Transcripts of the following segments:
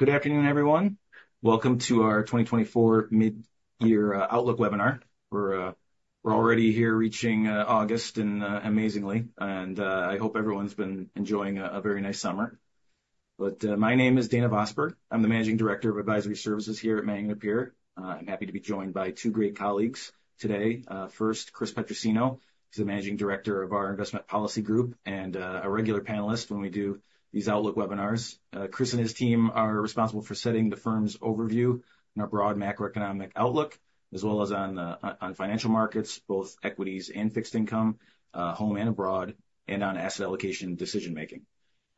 Good afternoon, everyone. Welcome to our 2024 mid-year outlook webinar. We're already here reaching August, and amazingly, I hope everyone's been enjoying a very nice summer. But my name is Dana Vosburgh. I'm the Managing Director of Advisory Services here at Manning & Napier. I'm happy to be joined by two great colleagues today. First, Chris Petrosino is the Managing Director of our Investment Policy Group and a regular panelist when we do these outlook webinars. Chris Petrosino and his team are responsible for setting the firm's overview and our broad macroeconomic outlook, as well as on financial markets, both equities and fixed income, home and abroad, and on asset allocation decision-making.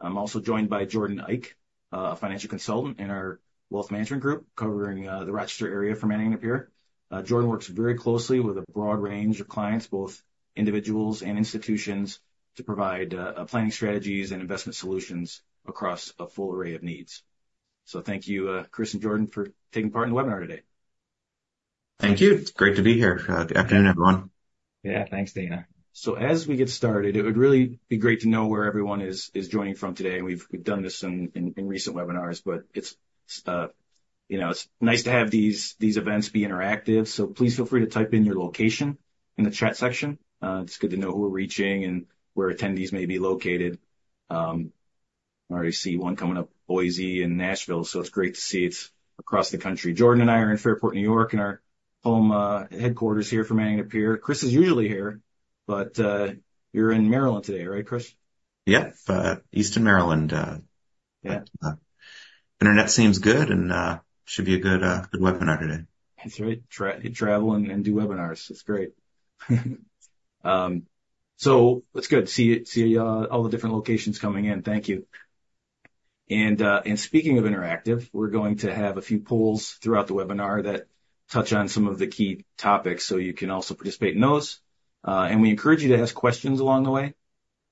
I'm also joined by Jordan Eich, a financial consultant in our Wealth Management Group covering the Rochester area for Manning & Napier. Jordan Eich works very closely with a broad range of clients, both individuals and institutions, to provide planning strategies and investment solutions across a full array of needs. Thank you, Chris Petrosino and Jordan Eich, for taking part in the webinar today. Thank you. It's great to be here. Good afternoon, everyone. Yeah, thanks, Dana Vosburgh. So as we get started, it would really be great to know where everyone is joining from today. We've done this in recent webinars, but it's nice to have these events be interactive. So please feel free to type in your location in the chat section. It's good to know who we're reaching and where attendees may be located. I already see one coming up, Boise and Nashville, so it's great to see it's across the country. Jordan Eich and I are in Fairport, New York, in our home headquarters here for Manning & Napier. Chris Petrosino is usually here, but you're in Maryland today, right, Chris Petrosino? Yeah, Eastern Maryland. Internet seems good, and it should be a good webinar today. That's right. Travel and do webinars. That's great. So it's good to see all the different locations coming in. Thank you. And speaking of interactive, we're going to have a few polls throughout the webinar that touch on some of the key topics, so you can also participate in those. And we encourage you to ask questions along the way.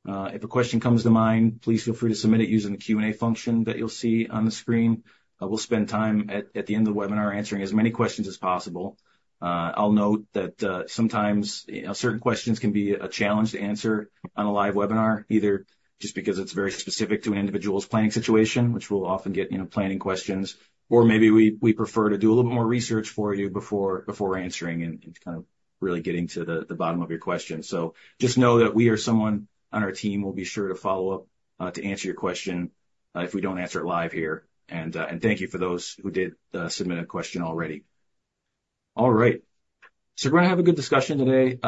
If a question comes to mind, please feel free to submit it using the Q&A function that you'll see on the screen. We'll spend time at the end of the webinar answering as many questions as possible. I'll note that sometimes certain questions can be a challenge to answer on a live webinar, either just because it's very specific to an individual's planning situation, which we'll often get planning questions, or maybe we prefer to do a little more research for you before answering and kind of really getting to the bottom of your question. So just know that we or someone on our team will be sure to follow up to answer your question if we don't answer it live here. And thank you for those who did submit a question already. All right. So we're going to have a good discussion today.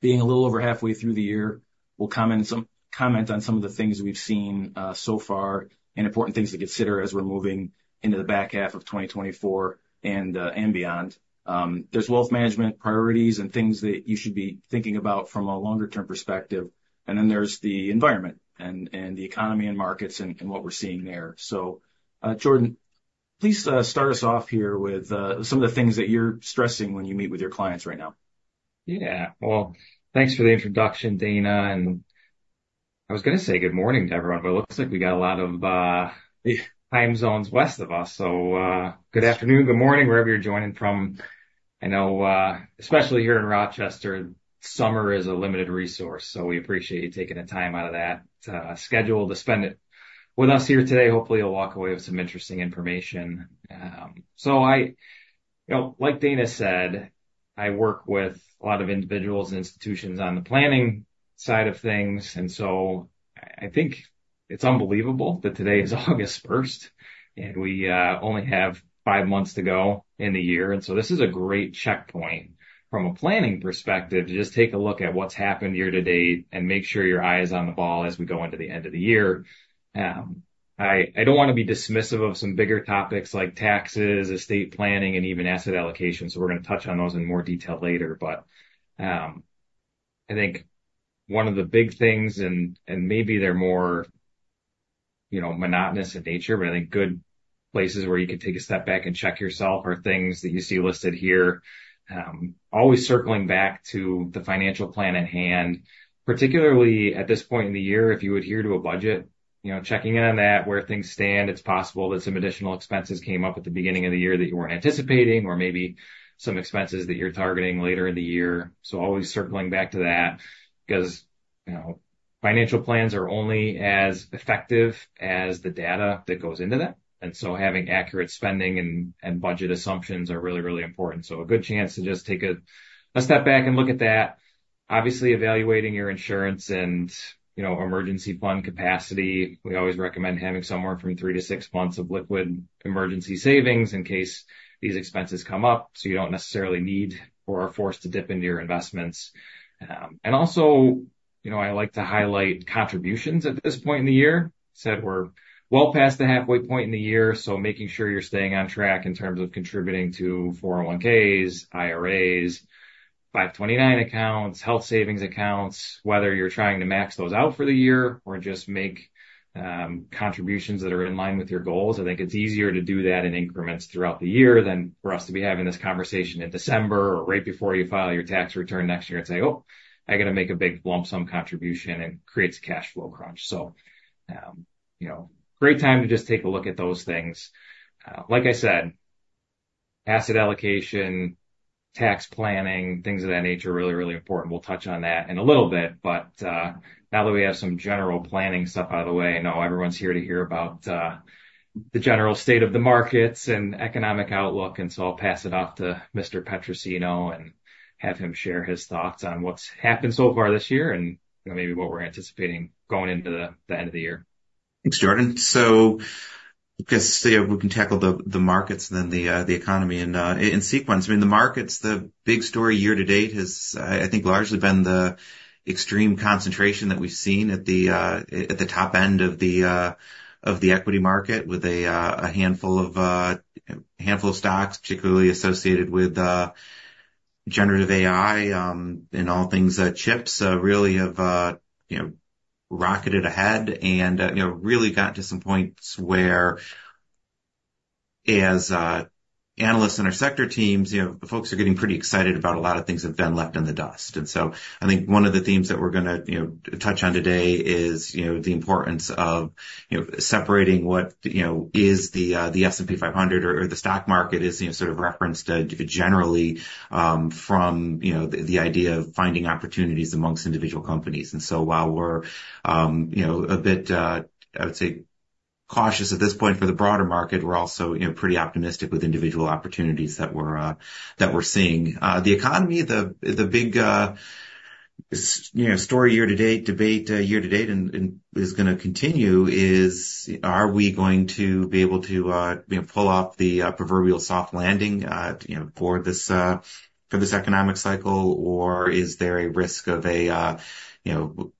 Being a little over halfway through the year, we'll comment on some of the things we've seen so far and important things to consider as we're moving into the back half of 2024 and beyond. There's wealth management priorities and things that you should be thinking about from a longer-term perspective. And then there's the environment and the economy and markets and what we're seeing there. So Jordan Eich, please start us off here with some of the things that you're stressing when you meet with your clients right now. Yeah, well, thanks for the introduction, Dana Vosburgh. And I was going to say good morning to everyone, but it looks like we got a lot of time zones west of us. So good afternoon, good morning, wherever you're joining from. I know, especially here in Rochester, summer is a limited resource, so we appreciate you taking the time out of that schedule to spend it with us here today. Hopefully, you'll walk away with some interesting information. So like Dana Vosburgh said, I work with a lot of individuals and institutions on the planning side of things. And so I think it's unbelievable that today is August 1st, and we only have five months to go in the year. And so this is a great checkpoint from a planning perspective to just take a look at what's happened year to date and make sure your eye is on the ball as we go into the end of the year. I don't want to be dismissive of some bigger topics like taxes, estate planning, and even asset allocation. So we're going to touch on those in more detail later. But I think one of the big things, and maybe they're more monotonous in nature, but I think good places where you could take a step back and check yourself are things that you see listed here. Always circling back to the financial plan at hand, particularly at this point in the year, if you adhere to a budget, checking in on that, where things stand, it's possible that some additional expenses came up at the beginning of the year that you weren't anticipating, or maybe some expenses that you're targeting later in the year. So always circling back to that because financial plans are only as effective as the data that goes into them. And so having accurate spending and budget assumptions are really, really important. So a good chance to just take a step back and look at that. Obviously, evaluating your insurance and emergency fund capacity. We always recommend having somewhere from three months- six months of liquid emergency savings in case these expenses come up so you don't necessarily need or are forced to dip into your investments. And also, I like to highlight contributions at this point in the year. I said we're well past the halfway point in the year, so making sure you're staying on track in terms of contributing to 401(k)s, IRAs, 529 accounts, health savings accounts, whether you're trying to max those out for the year or just make contributions that are in line with your goals. I think it's easier to do that in increments throughout the year than for us to be having this conversation in December or right before you file your tax return next year and say, "Oh, I got to make a big lump sum contribution," and creates a cash flow crunch. So great time to just take a look at those things. Like I said, asset allocation, tax planning, things of that nature are really, really important. We'll touch on that in a little bit. Now that we have some general planning stuff out of the way, I know everyone's here to hear about the general state of the markets and economic outlook. So I'll pass it off to Mr. Chris Petrosino and have him share his thoughts on what's happened so far this year and maybe what we're anticipating going into the end of the year. Thanks, Jordan Eich. So I guess we can tackle the markets and then the economy in sequence. I mean, the markets, the big story year to date has, I think, largely been the extreme concentration that we've seen at the top end of the equity market with a handful of stocks, particularly associated with generative AI and all things chips, really have rocketed ahead and really gotten to some points where, as analysts in our sector teams, folks are getting pretty excited about a lot of things that have been left in the dust. And so I think one of the themes that we're going to touch on today is the importance of separating what is the S&P 500 or the stock market is sort of referenced generally from the idea of finding opportunities amongst individual companies. And so while we're a bit, I would say, cautious at this point for the broader market, we're also pretty optimistic with individual opportunities that we're seeing. The economy, the big story year to date, debate year to date is going to continue, are we going to be able to pull off the proverbial soft landing for this economic cycle, or is there a risk of,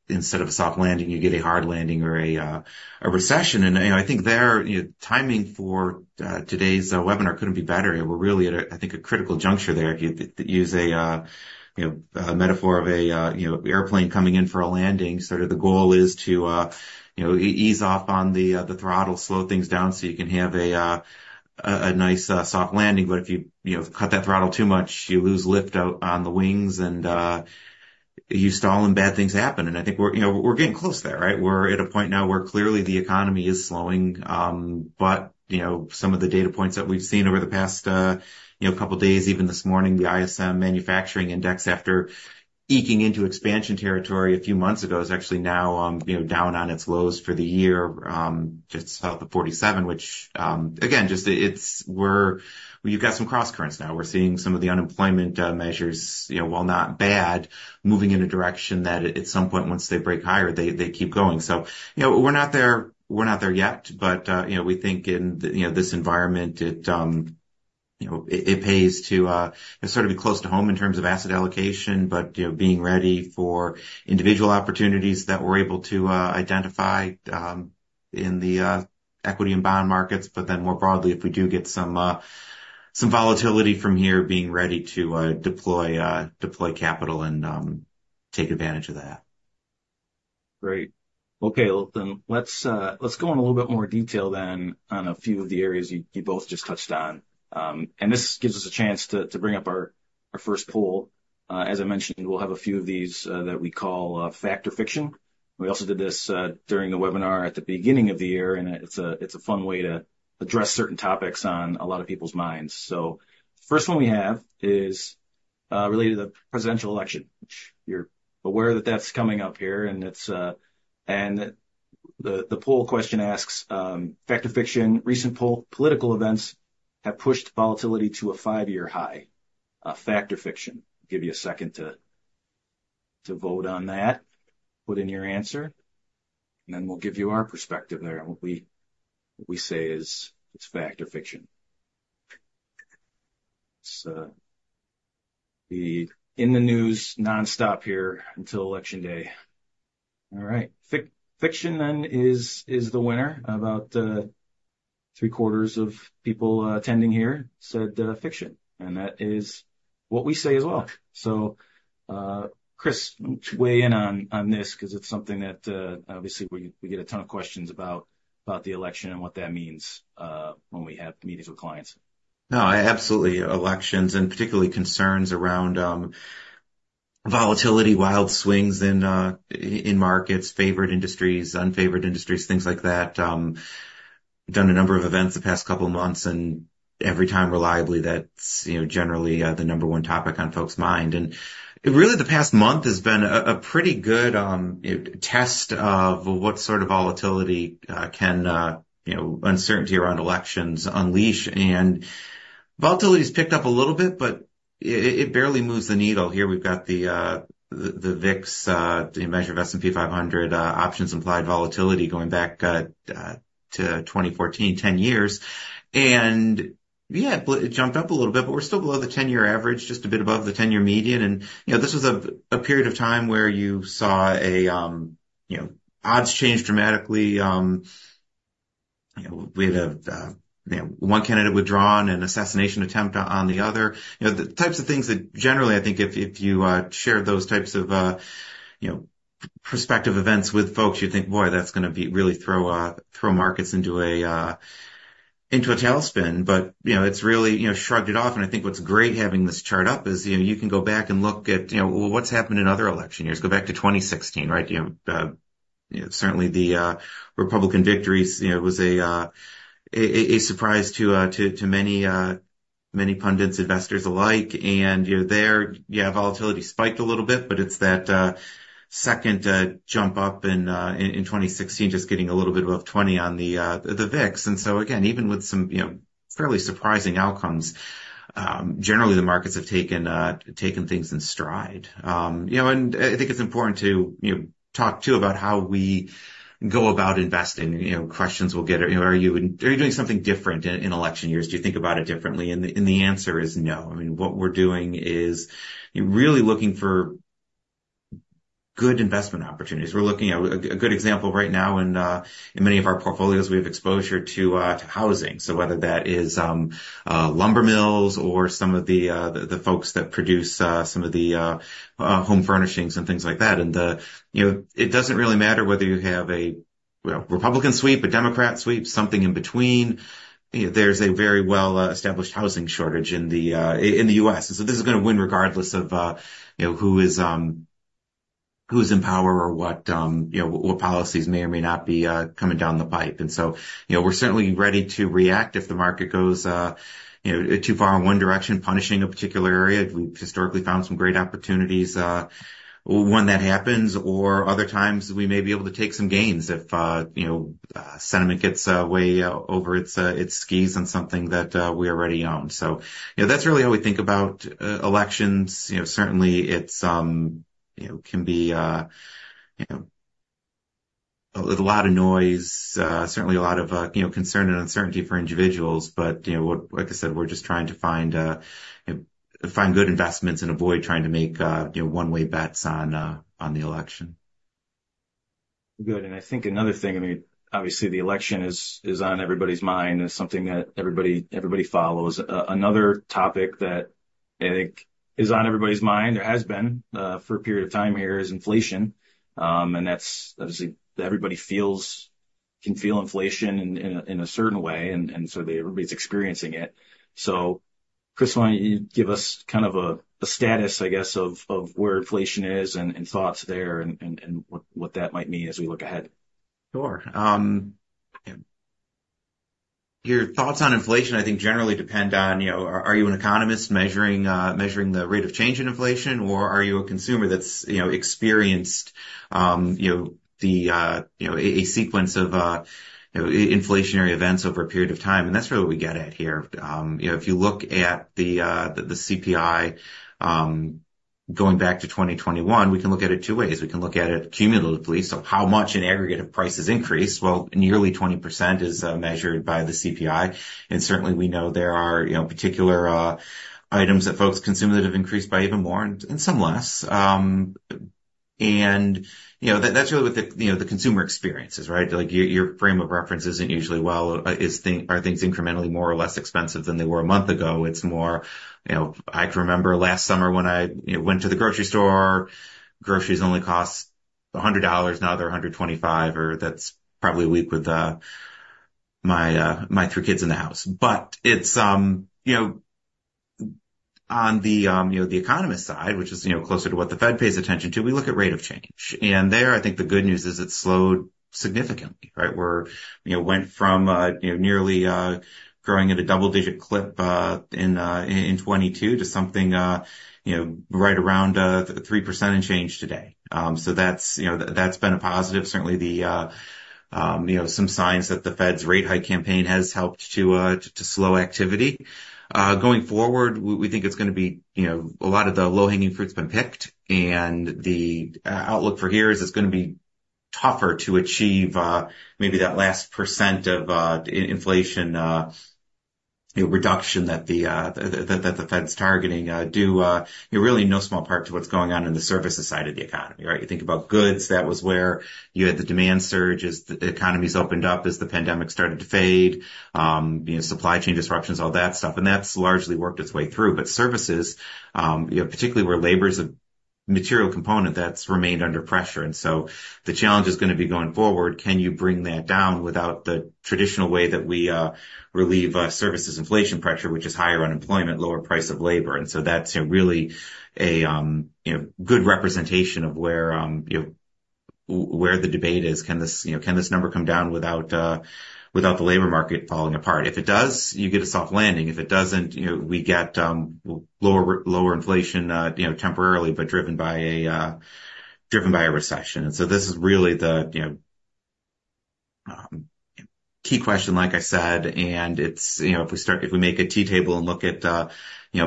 instead of a soft landing, you get a hard landing or a recession? And I think timing for today's webinar couldn't be better. We're really at, I think, a critical juncture there. If you use a metaphor of an airplane coming in for a landing, sort of the goal is to ease off on the throttle, slow things down so you can have a nice soft landing. But if you cut that throttle too much, you lose lift on the wings and you stall and bad things happen. And I think we're getting close there, right? We're at a point now where clearly the economy is slowing. But some of the data points that we've seen over the past couple of days, even this morning, the ISM Manufacturing Index, after eking into expansion territory a few months ago, is actually now down on its lows for the year, just south of 47, which, again, just we've got some cross currents now. We're seeing some of the unemployment measures, while not bad, moving in a direction that at some point, once they break higher, they keep going. So we're not there yet, but we think in this environment, it pays to sort of be close to home in terms of asset allocation, but being ready for individual opportunities that we're able to identify in the equity and bond markets. But then more broadly, if we do get some volatility from here, being ready to deploy capital and take advantage of that. Great. Okay, let's go into a little bit more detail then on a few of the areas you both just touched on. This gives us a chance to bring up our first poll. As I mentioned, we'll have a few of these that we call fact or fiction. We also did this during the webinar at the beginning of the year, and it's a fun way to address certain topics on a lot of people's minds. The first one we have is related to the presidential election, which you're aware that that's coming up here. And the poll question asks, "Fact or fiction, recent political events have pushed volatility to a five-year high?" Fact or fiction. Give you a second to vote on that, put in your answer, and then we'll give you our perspective there. What we say is fact or fiction. It's in the news nonstop here until election day. All right. Fiction then is the winner. About 3/4 of people attending here said fiction, and that is what we say as well. So Chris Petrosino, weigh in on this because it's something that obviously we get a ton of questions about the election and what that means when we have meetings with clients. No, absolutely. Elections and particularly concerns around volatility, wild swings in markets, favored industries, unfavored industries, things like that. Done a number of events the past couple of months, and every time reliably, that's generally the number one topic on folks' mind. And really, the past month has been a pretty good test of what sort of volatility can uncertainty around elections unleash. And volatility has picked up a little bit, but it barely moves the needle. Here we've got the VIX, the measure of S&P 500 options implied volatility going back to 2014, 10 years. And yeah, it jumped up a little bit, but we're still below the 10-year average, just a bit above the 10-year median. And this was a period of time where you saw odds change dramatically. We had one candidate withdrawn and assassination attempt on the other. The types of things that generally, I think if you share those types of prospective events with folks, you think, "Boy, that's going to really throw markets into a tailspin." But it's really shrugged it off. And I think what's great having this chart up is you can go back and look at what's happened in other election years. Go back to 2016, right? Certainly, the Republican victories was a surprise to many pundits, investors alike. And there, yeah, volatility spiked a little bit, but it's that second jump up in 2016, just getting a little bit above 20 on the VIX. And so again, even with some fairly surprising outcomes, generally, the markets have taken things in stride. And I think it's important to talk too about how we go about investing. Questions will get, "Are you doing something different in election years? Do you think about it differently?" And the answer is no. I mean, what we're doing is really looking for good investment opportunities. We're looking at a good example right now in many of our portfolios; we have exposure to housing. So whether that is lumber mills or some of the folks that produce some of the home furnishings and things like that. And it doesn't really matter whether you have a Republican sweep, a Democrat sweep, something in between. There's a very well-established housing shortage in the U.S. And so this is going to win regardless of who is in power or what policies may or may not be coming down the pipe. And so we're certainly ready to react if the market goes too far in one direction, punishing a particular area. We've historically found some great opportunities. When that happens, or other times, we may be able to take some gains if sentiment gets way over its skis on something that we already own. So that's really how we think about elections. Certainly, it can be a lot of noise, certainly a lot of concern and uncertainty for individuals. But like I said, we're just trying to find good investments and avoid trying to make one-way bets on the election. Good. I think another thing, I mean, obviously, the election is on everybody's mind. It's something that everybody follows. Another topic that I think is on everybody's mind, there has been for a period of time here, is inflation. And obviously, everybody can feel inflation in a certain way, and so everybody's experiencing it. So Chris Petrosino, why don't you give us kind of a status, I guess, of where inflation is and thoughts there and what that might mean as we look ahead? Sure. Your thoughts on inflation, I think, generally depend on, are you an economist measuring the rate of change in inflation, or are you a consumer that's experienced a sequence of inflationary events over a period of time? And that's really what we get at here. If you look at the CPI going back to 2021, we can look at it two ways. We can look at it cumulatively. So how much in aggregate have prices increased? Well, nearly 20% is measured by the CPI. And certainly, we know there are particular items that folks, consumers have increased by even more and some less. And that's really what the consumer experience is, right? Your frame of reference isn't usually well, are things incrementally more or less expensive than they were a month ago? It's more, I can remember last summer when I went to the grocery store, groceries only cost $100, now they're $125, or that's probably a week with my three kids in the house. But on the economist side, which is closer to what the Fed pays attention to, we look at rate of change. And there, I think the good news is it's slowed significantly, right? We went from nearly growing at a double-digit clip in 2022 to something right around 3% and change today. So that's been a positive. Certainly, some signs that the Fed's rate hike campaign has helped to slow activity. Going forward, we think it's going to be a lot of the low-hanging fruit's been picked. And the outlook for here is it's going to be tougher to achieve maybe that last 1% of inflation reduction that the Fed's targeting due in no small part to what's going on in the services side of the economy, right? You think about goods, that was where you had the demand surge, as the economy's opened up, as the pandemic started to fade, supply chain disruptions, all that stuff. And that's largely worked its way through. But services, particularly where labor is a material component, that's remained under pressure. And so the challenge is going to be going forward, can you bring that down without the traditional way that we relieve services inflation pressure, which is higher unemployment, lower price of labor? And so that's really a good representation of where the debate is. Can this number come down without the labor market falling apart? If it does, you get a soft landing. If it doesn't, we get lower inflation temporarily, but driven by a recession. So this is really the key question, like I said. If we make a T-table and look at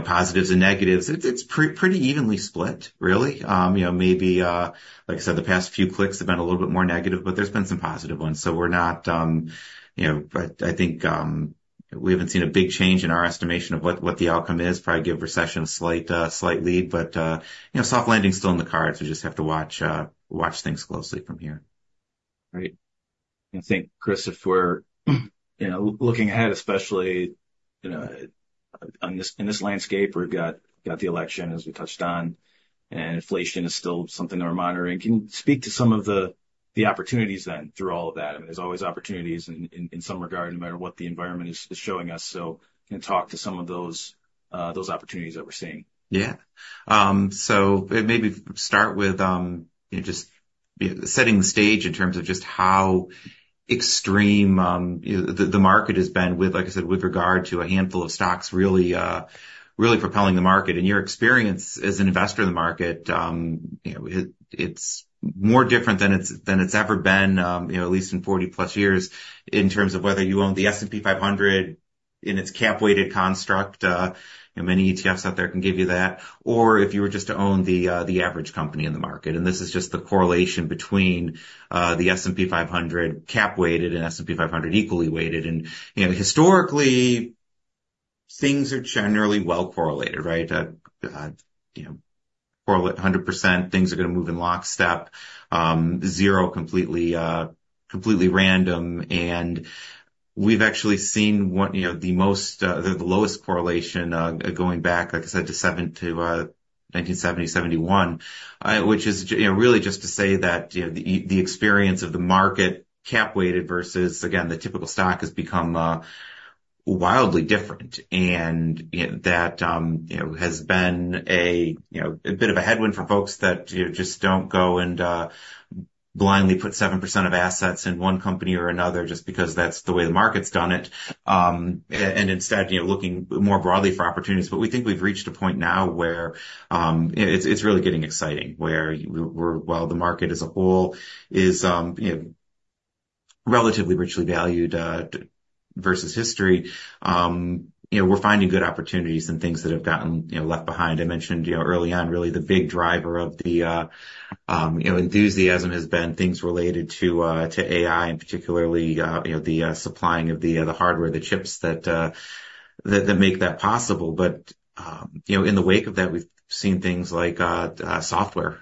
positives and negatives, it's pretty evenly split, really. Maybe, like I said, the past few clues have been a little bit more negative, but there's been some positive ones. So we're not, I think we haven't seen a big change in our estimation of what the outcome is. Probably give recession a slight lead, but soft landing's still in the cards. We just have to watch things closely from here. Right. I think, Chris Petrosino, if we're looking ahead, especially in this landscape, we've got the election, as we touched on, and inflation is still something that we're monitoring. Can you speak to some of the opportunities then through all of that? I mean, there's always opportunities in some regard, no matter what the environment is showing us. So can you talk to some of those opportunities that we're seeing? Yeah. So maybe start with just setting the stage in terms of just how extreme the market has been with, like I said, with regard to a handful of stocks really propelling the market. In your experience as an investor in the market, it's more different than it's ever been, at least in 40+ years, in terms of whether you own the S&P 500 in its cap-weighted construct. Many ETFs out there can give you that. Or if you were just to own the average company in the market. And this is just the correlation between the S&P 500 cap-weighted and S&P 500 equally weighted. And historically, things are generally well-correlated, right? 100%, things are going to move in lockstep. Zero, completely random. And we've actually seen the lowest correlation going back, like I said, to 1970-1971, which is really just to say that the experience of the market cap-weighted versus, again, the typical stock has become wildly different. And that has been a bit of a headwind for folks that just don't go and blindly put 7% of assets in one company or another just because that's the way the market's done it. And instead, looking more broadly for opportunities. But we think we've reached a point now where it's really getting exciting, where while the market as a whole is relatively richly valued versus history, we're finding good opportunities in things that have gotten left behind. I mentioned early on, really the big driver of the enthusiasm has been things related to AI, and particularly the supplying of the hardware, the chips that make that possible. But in the wake of that, we've seen things like software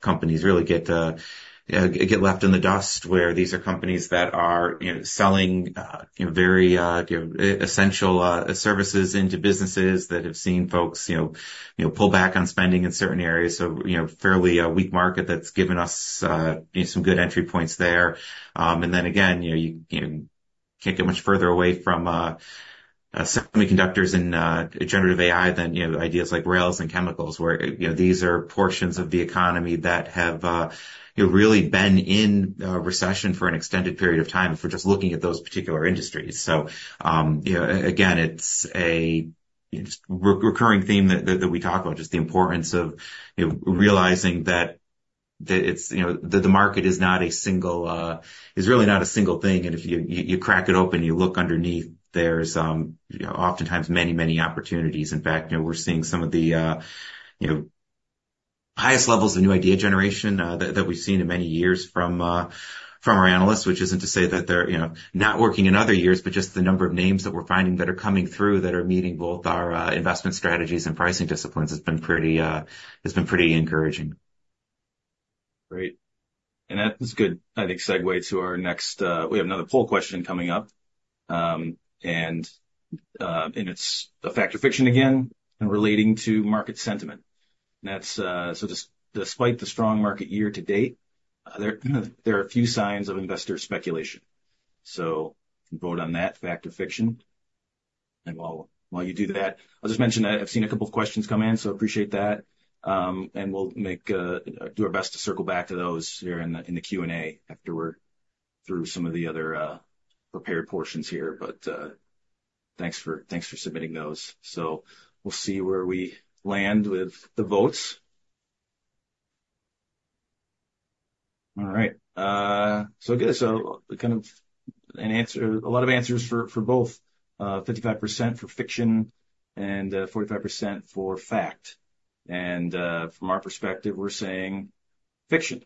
companies really get left in the dust, where these are companies that are selling very essential services into businesses that have seen folks pull back on spending in certain areas. So fairly weak market that's given us some good entry points there. And then again, you can't get much further away from semiconductors and generative AI than ideas like rails and chemicals, where these are portions of the economy that have really been in recession for an extended period of time if we're just looking at those particular industries. So again, it's a recurring theme that we talk about, just the importance of realizing that the market is really not a single thing. And if you crack it open, you look underneath, there's oftentimes many, many opportunities. In fact, we're seeing some of the highest levels of new idea generation that we've seen in many years from our analysts, which isn't to say that they're not working in other years, but just the number of names that we're finding that are coming through that are meeting both our investment strategies and pricing disciplines has been pretty encouraging. Great. And that's a good, I think, segue to our next we have another poll question coming up. And it's a fact or fiction again relating to market sentiment. So despite the strong market year to date, there are a few signs of investor speculation. So vote on that fact or fiction. And while you do that, I'll just mention that I've seen a couple of questions come in, so appreciate that. And we'll do our best to circle back to those here in the Q&A after we're through some of the other prepared portions here. But thanks for submitting those. So we'll see where we land with the votes. All right. So good. So kind of a lot of answers for both, 55% for fiction and 45% for fact. And from our perspective, we're saying fiction.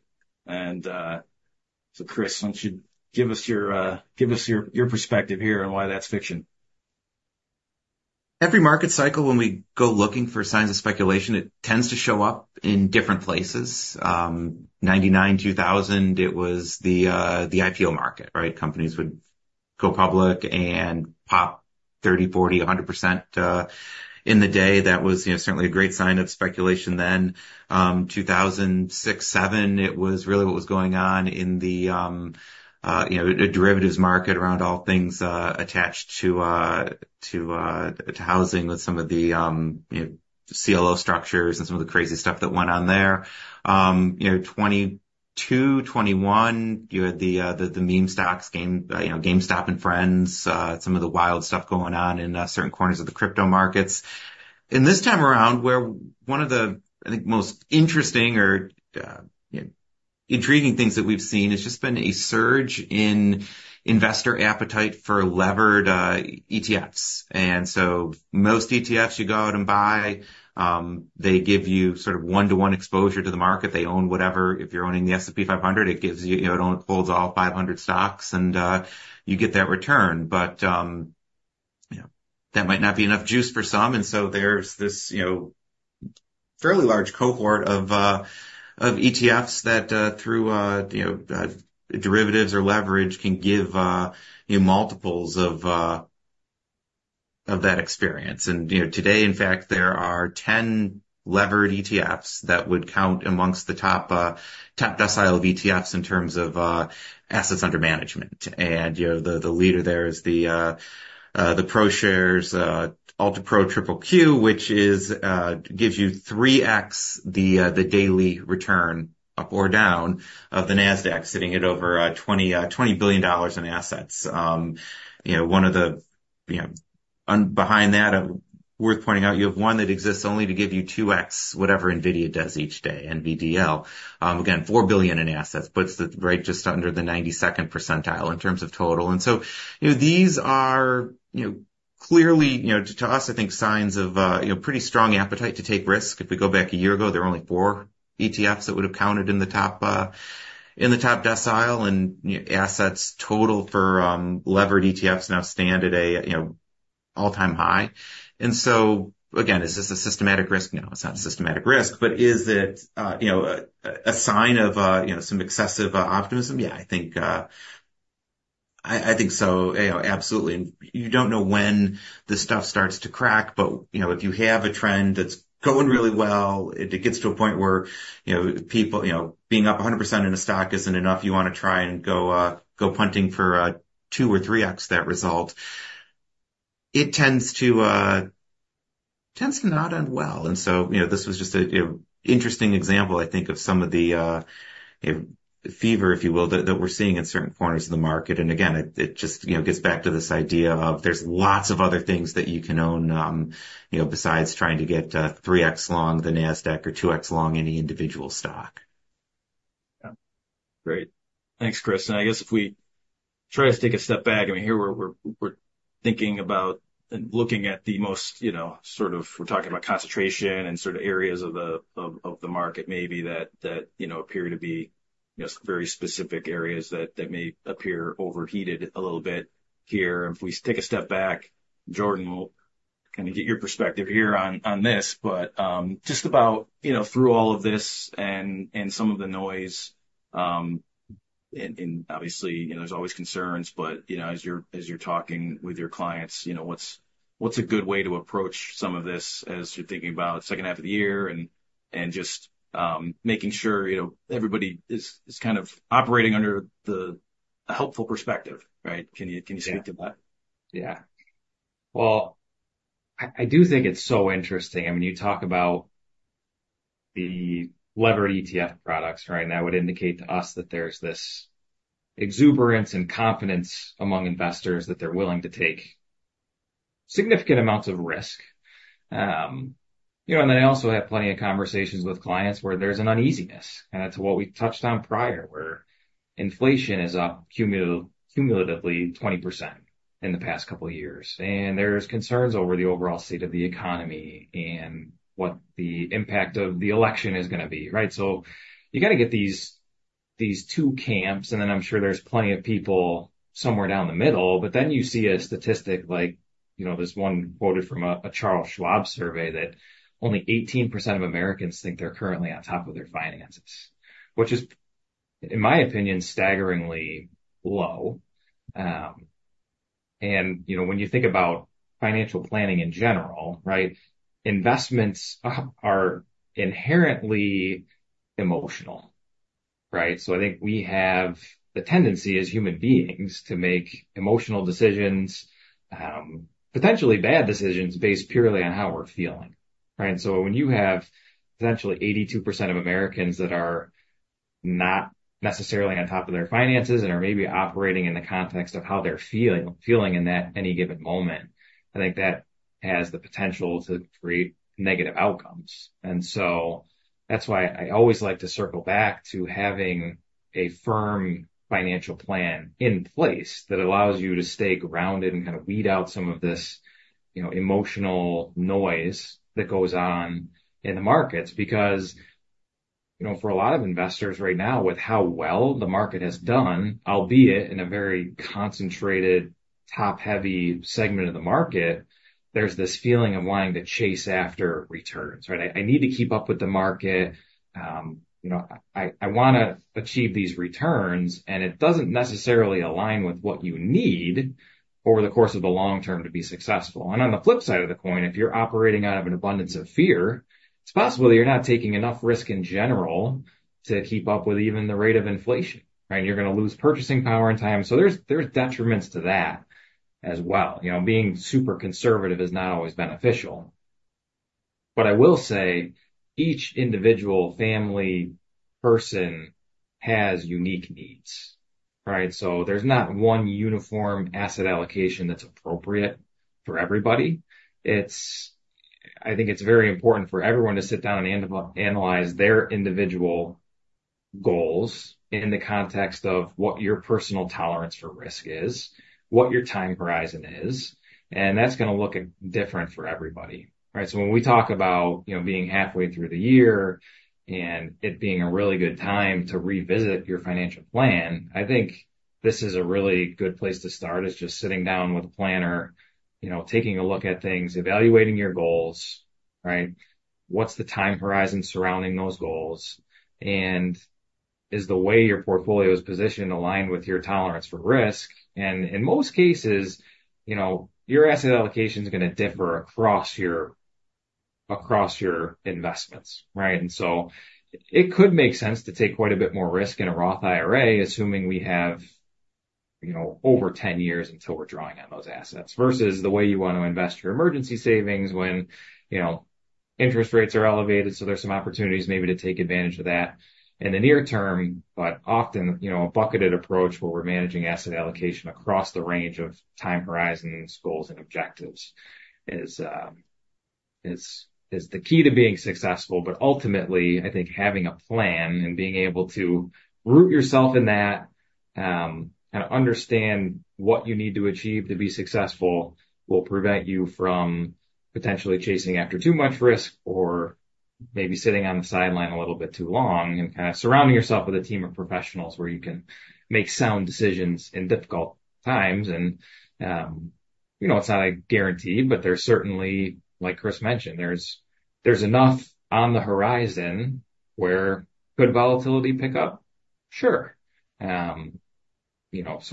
Chris Petrosino, why don't you give us your perspective here and why that's fiction? Every market cycle, when we go looking for signs of speculation, it tends to show up in different places. 1999-2000, it was the IPO market, right? Companies would go public and pop 30%, 40%, 100% in the day. That was certainly a great sign of speculation then. 2006-2007, it was really what was going on in the derivatives market around all things attached to housing with some of the CLO structures and some of the crazy stuff that went on there. 2022-2021, you had the meme stocks, GameStop and Friends, some of the wild stuff going on in certain corners of the crypto markets. And this time around, where one of the, I think, most interesting or intriguing things that we've seen has just been a surge in investor appetite for leveraged ETFs. And so most ETFs, you go out and buy, they give you sort of one-to-one exposure to the market. They own whatever. If you're owning the S&P 500, it holds all 500 stocks, and you get that return. But that might not be enough juice for some. And so there's this fairly large cohort of ETFs that, through derivatives or leverage, can give multiples of that experience. And today, in fact, there are 10 leveraged ETFs that would count amongst the top decile of ETFs in terms of assets under management. And the leader there is the ProShares UltraPro QQQ, which gives you 3x the daily return up or down of the Nasdaq, sitting at over $20 billion in assets. One of those behind that, worth pointing out, you have one that exists only to give you 2x, whatever NVIDIA does each day, NVDL. Again, $4 billion in assets, but it's right just under the 92nd percentile in terms of total. And so these are clearly, to us, I think, signs of pretty strong appetite to take risk. If we go back a year ago, there were only four ETFs that would have counted in the top decile. And assets total for levered ETFs now stand at an all-time high. And so, again, is this a systematic risk? No, it's not a systematic risk. But is it a sign of some excessive optimism? Yeah, I think so. Absolutely. You don't know when this stuff starts to crack, but if you have a trend that's going really well, it gets to a point where being up 100% in a stock isn't enough. You want to try and go punting for 2x or 3x that result. It tends to not end well. And so this was just an interesting example, I think, of some of the fever, if you will, that we're seeing in certain corners of the market. And again, it just gets back to this idea of there's lots of other things that you can own besides trying to get 3x long the Nasdaq or 2x long any individual stock. Yeah. Great. Thanks, Chris Petrosino. And I guess if we try to take a step back, I mean, here we're thinking about and looking at the most sort of we're talking about concentration and sort of areas of the market maybe that appear to be very specific areas that may appear overheated a little bit here. And if we take a step back, Jordan Eich, we'll kind of get your perspective here on this. But just about through all of this and some of the noise, and obviously, there's always concerns, but as you're talking with your clients, what's a good way to approach some of this as you're thinking about the second half of the year and just making sure everybody is kind of operating under a helpful perspective, right? Can you speak to that? Yeah. Well, I do think it's so interesting. I mean, you talk about the levered ETF products, right? And that would indicate to us that there's this exuberance and confidence among investors that they're willing to take significant amounts of risk. And then I also have plenty of conversations with clients where there's an uneasiness. And that's what we touched on prior, where inflation is up cumulatively 20% in the past couple of years. And there's concerns over the overall state of the economy and what the impact of the election is going to be, right? So you got to get these two camps. And then I'm sure there's plenty of people somewhere down the middle. But then you see a statistic like this one quoted from a Charles Schwab survey that only 18% of Americans think they're currently on top of their finances, which is, in my opinion, staggeringly low. And when you think about financial planning in general, right, investments are inherently emotional, right? So I think we have the tendency as human beings to make emotional decisions, potentially bad decisions, based purely on how we're feeling, right? And so when you have potentially 82% of Americans that are not necessarily on top of their finances and are maybe operating in the context of how they're feeling in that any given moment, I think that has the potential to create negative outcomes. And so that's why I always like to circle back to having a firm financial plan in place that allows you to stay grounded and kind of weed out some of this emotional noise that goes on in the markets. Because for a lot of investors right now, with how well the market has done, albeit in a very concentrated, top-heavy segment of the market, there's this feeling of wanting to chase after returns, right? I need to keep up with the market. I want to achieve these returns. And it doesn't necessarily align with what you need over the course of a long term to be successful. And on the flip side of the coin, if you're operating out of an abundance of fear, it's possible that you're not taking enough risk in general to keep up with even the rate of inflation, right? You're going to lose purchasing power in time. So there's detriments to that as well. Being super conservative is not always beneficial. But I will say each individual family person has unique needs, right? So there's not one uniform asset allocation that's appropriate for everybody. I think it's very important for everyone to sit down and analyze their individual goals in the context of what your personal tolerance for risk is, what your time horizon is. That's going to look different for everybody, right? When we talk about being halfway through the year and it being a really good time to revisit your financial plan, I think this is a really good place to start is just sitting down with a planner, taking a look at things, evaluating your goals, right? What's the time horizon surrounding those goals? Is the way your portfolio is positioned aligned with your tolerance for risk? In most cases, your asset allocation is going to differ across your investments, right? So it could make sense to take quite a bit more risk in a Roth IRA, assuming we have over 10 years until we're drawing on those assets versus the way you want to invest your emergency savings when interest rates are elevated. So there's some opportunities maybe to take advantage of that in the near term, but often a bucketed approach where we're managing asset allocation across the range of time horizons, goals, and objectives is the key to being successful. But ultimately, I think having a plan and being able to root yourself in that, kind of understand what you need to achieve to be successful will prevent you from potentially chasing after too much risk or maybe sitting on the sideline a little bit too long and kind of surrounding yourself with a team of professionals where you can make sound decisions in difficult times. And it's not a guarantee, but there's certainly, like Chris Petrosino mentioned, there's enough on the horizon where could volatility pick up? Sure. So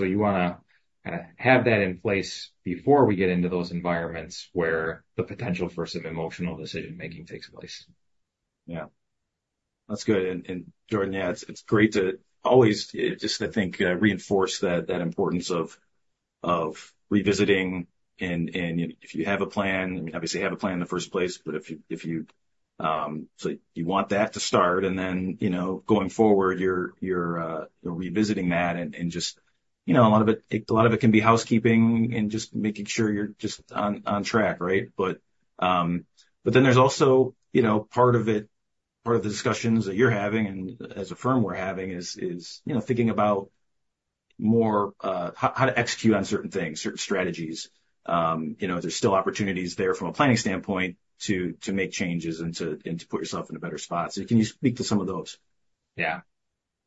you want to kind of have that in place before we get into those environments where the potential for some emotional decision-making takes place. Yeah. That's good. And Jordan Eich, yeah, it's great to always just, I think, reinforce that importance of revisiting. And if you have a plan, I mean, obviously, have a plan in the first place, but if you so you want that to start, and then going forward, you're revisiting that. And just a lot of it, a lot of it can be housekeeping and just making sure you're just on track, right? But then there's also part of it, part of the discussions that you're having and as a firm we're having is thinking about more how to execute on certain things, certain strategies. There's still opportunities there from a planning standpoint to make changes and to put yourself in a better spot. So can you speak to some of those? Yeah.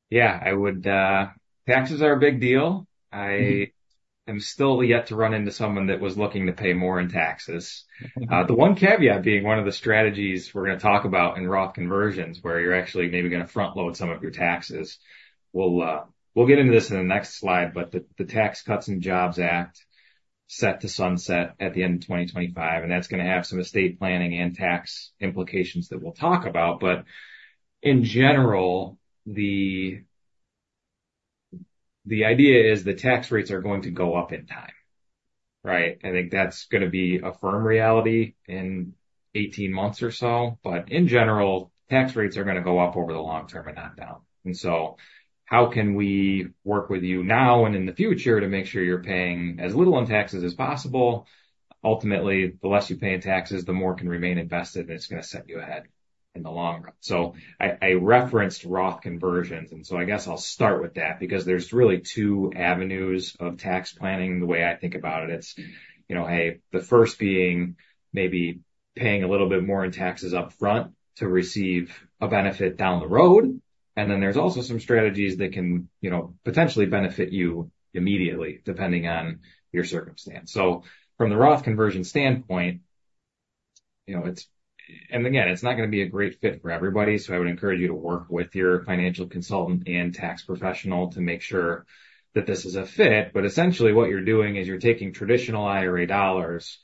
Yeah. Taxes are a big deal. I am still yet to run into someone that was looking to pay more in taxes. The one caveat being one of the strategies we're going to talk about in Roth IRA conversions where you're actually maybe going to front-load some of your taxes. We'll get into this in the next slide, but the Tax Cuts and Jobs Act set to sunset at the end of 2025. And that's going to have some estate planning and tax implications that we'll talk about. But in general, the idea is the tax rates are going to go up in time, right? I think that's going to be a firm reality in 18 months or so. But in general, tax rates are going to go up over the long term and not down. And so how can we work with you now and in the future to make sure you're paying as little in taxes as possible? Ultimately, the less you pay in taxes, the more can remain invested, and it's going to set you ahead in the long run. So I referenced Roth IRA conversions. And so I guess I'll start with that because there's really two avenues of tax planning the way I think about it. It's, hey, the first being maybe paying a little bit more in taxes upfront to receive a benefit down the road. And then there's also some strategies that can potentially benefit you immediately depending on your circumstance. So from the Roth IRA conversion standpoint, and again, it's not going to be a great fit for everybody. So I would encourage you to work with your financial consultant and tax professional to make sure that this is a fit. But essentially, what you're doing is you're taking traditional IRA dollars,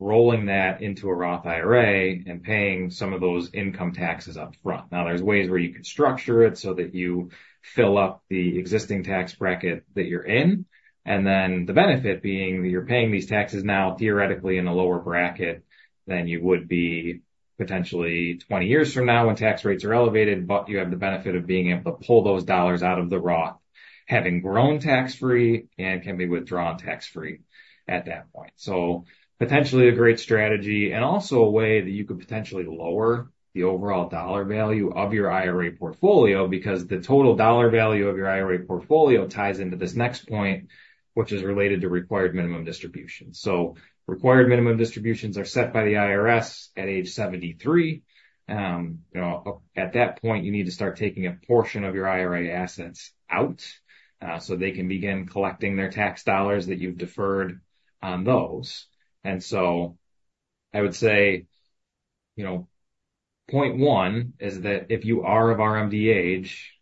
rolling that into a Roth IRA, and paying some of those income taxes upfront. Now, there's ways where you can structure it so that you fill up the existing tax bracket that you're in. And then the benefit being that you're paying these taxes now theoretically in a lower bracket than you would be potentially 20 years from now when tax rates are elevated, but you have the benefit of being able to pull those dollars out of the Roth IRA, having grown tax-free and can be withdrawn tax-free at that point. So potentially a great strategy and also a way that you could potentially lower the overall dollar value of your IRA portfolio because the total dollar value of your IRA portfolio ties into this next point, which is related to required minimum distributions. So required minimum distributions are set by the IRS at age 73. At that point, you need to start taking a portion of your IRA assets out so they can begin collecting their tax dollars that you've deferred on those. And so I would say point one is that if you are of RMD age,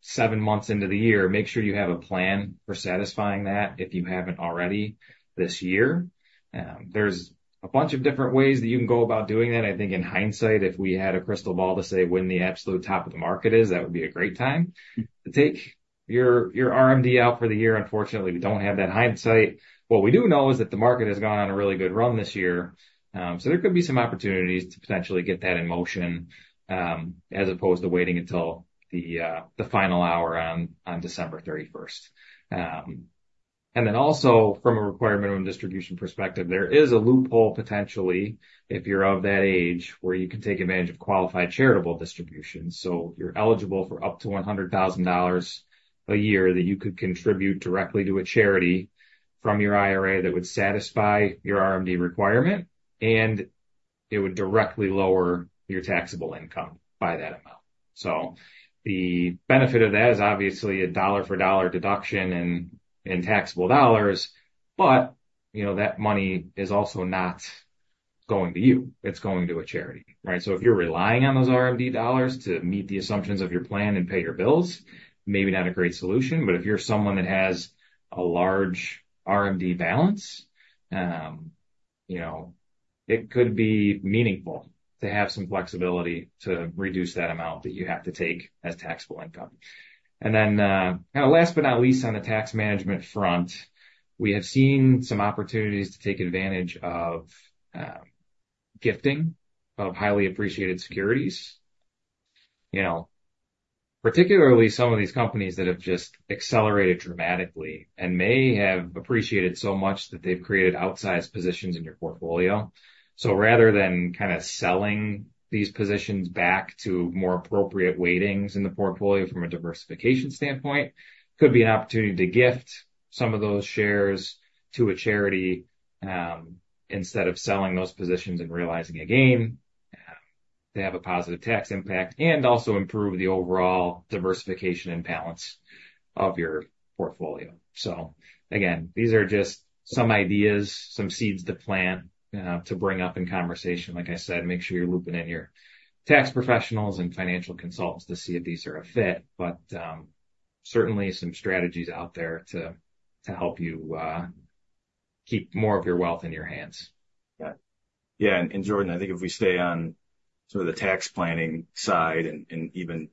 seven months into the year, make sure you have a plan for satisfying that if you haven't already this year. There's a bunch of different ways that you can go about doing that. I think in hindsight, if we had a crystal ball to say when the absolute top of the market is, that would be a great time to take your RMD out for the year. Unfortunately, we don't have that hindsight. What we do know is that the market has gone on a really good run this year. So there could be some opportunities to potentially get that in motion as opposed to waiting until the final hour on December 31st. And then also from a required minimum distribution perspective, there is a loophole potentially if you're of that age where you can take advantage of qualified charitable distributions. So you're eligible for up to $100,000 a year that you could contribute directly to a charity from your IRA that would satisfy your RMD requirement, and it would directly lower your taxable income by that amount. So the benefit of that is obviously a dollar-for-dollar deduction in taxable dollars, but that money is also not going to you. It's going to a charity, right? So if you're relying on those RMD dollars to meet the assumptions of your plan and pay your bills, maybe not a great solution. But if you're someone that has a large RMD balance, it could be meaningful to have some flexibility to reduce that amount that you have to take as taxable income. And then kind of last but not least on the tax management front, we have seen some opportunities to take advantage of gifting of highly appreciated securities, particularly some of these companies that have just accelerated dramatically and may have appreciated so much that they've created outsized positions in your portfolio. So rather than kind of selling these positions back to more appropriate weightings in the portfolio from a diversification standpoint, it could be an opportunity to gift some of those shares to a charity instead of selling those positions and realizing a gain to have a positive tax impact and also improve the overall diversification and balance of your portfolio. So again, these are just some ideas, some seeds to plant to bring up in conversation. Like I said, make sure you're looping in your tax professionals and financial consultants to see if these are a fit, but certainly some strategies out there to help you keep more of your wealth in your hands. Yeah. Yeah. And Jordan Eich, I think if we stay on sort of the tax planning side and even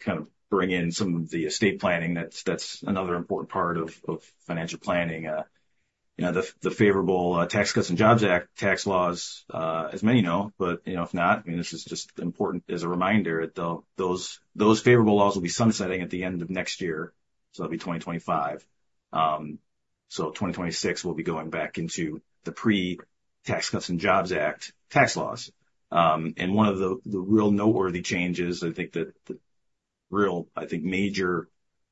kind of bring in some of the estate planning, that's another important part of financial planning. The favorable Tax Cuts and Jobs Act tax laws, as many know, but if not, I mean, this is just important as a reminder that those favorable laws will be sunsetting at the end of next year. So that'll be 2025. So 2026 will be going back into the pre-Tax Cuts and Jobs Act tax laws. And one of the real noteworthy changes, I think the real, I think, major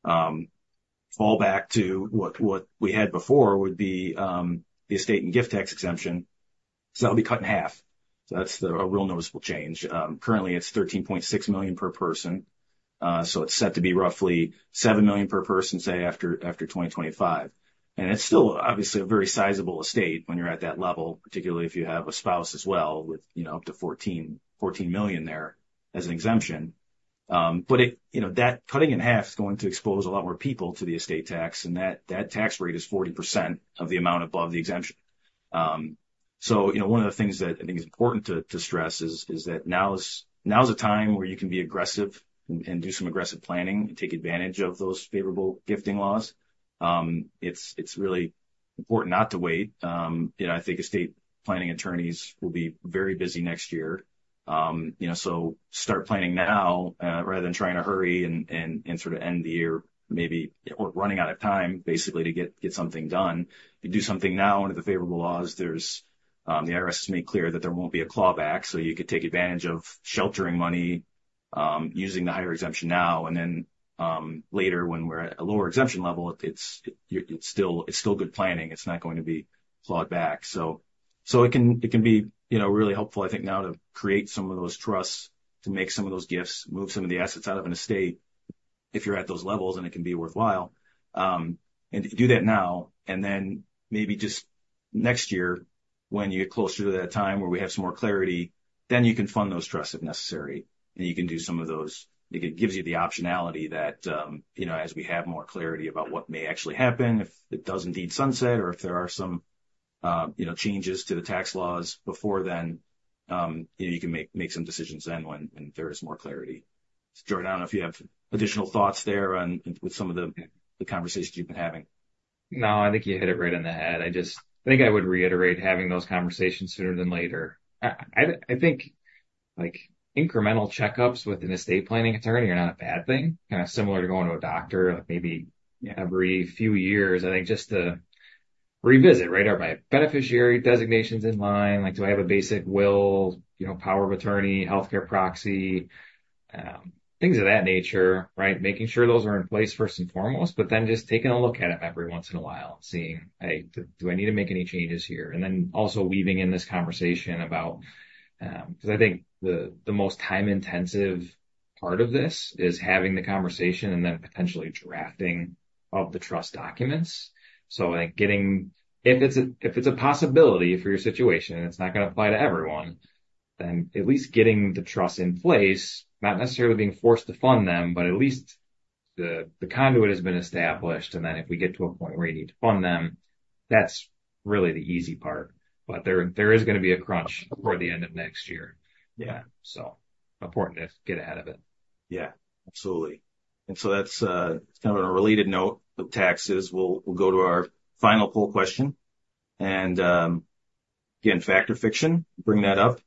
fallback to what we had before would be the estate and gift tax exemption. So it'll be cut in half. So that's a real noticeable change. Currently, it's $13.6 million per person. So it's set to be roughly $7 million per person, say, after 2025. It's still obviously a very sizable estate when you're at that level, particularly if you have a spouse as well with up to $14 million there as an exemption. But that cutting in half is going to expose a lot more people to the estate tax, and that tax rate is 40% of the amount above the exemption. So one of the things that I think is important to stress is that now's a time where you can be aggressive and do some aggressive planning and take advantage of those favorable gifting laws. It's really important not to wait. I think estate planning attorneys will be very busy next year. So start planning now rather than trying to hurry and sort of end the year maybe or running out of time basically to get something done. If you do something now under the favorable laws, the IRS has made clear that there won't be a clawback. You could take advantage of sheltering money using the higher exemption now. Then later when we're at a lower exemption level, it's still good planning. It's not going to be clawed back. It can be really helpful, I think, now to create some of those trusts, to make some of those gifts, move some of the assets out of an estate if you're at those levels, and it can be worthwhile. If you do that now, and then maybe just next year when you get closer to that time where we have some more clarity, then you can fund those trusts if necessary, and you can do some of those. It gives you the optionality that as we have more clarity about what may actually happen if it does indeed sunset or if there are some changes to the tax laws before then, you can make some decisions then when there is more clarity. Jordan Eich, I don't know if you have additional thoughts there with some of the conversations you've been having. No, I think you hit it right on the head. I think I would reiterate having those conversations sooner than later. I think incremental checkups with an estate planning attorney are not a bad thing, kind of similar to going to a doctor maybe every few years, I think, just to revisit, right? Are my beneficiary designations in line? Do I have a basic will, power of attorney, healthcare proxy, things of that nature, right? Making sure those are in place first and foremost, but then just taking a look at them every once in a while and seeing, hey, do I need to make any changes here? And then also weaving in this conversation about because I think the most time-intensive part of this is having the conversation and then potentially drafting of the trust documents. So I think getting, if it's a possibility for your situation and it's not going to apply to everyone, then at least getting the trust in place, not necessarily being forced to fund them, but at least the conduit has been established. And then if we get to a point where you need to fund them, that's really the easy part. But there is going to be a crunch toward the end of next year. Yeah. So important to get ahead of it. Yeah. Absolutely. And so that's kind of a related note with taxes. We'll go to our final poll question. And again, fact or fiction, bring that up.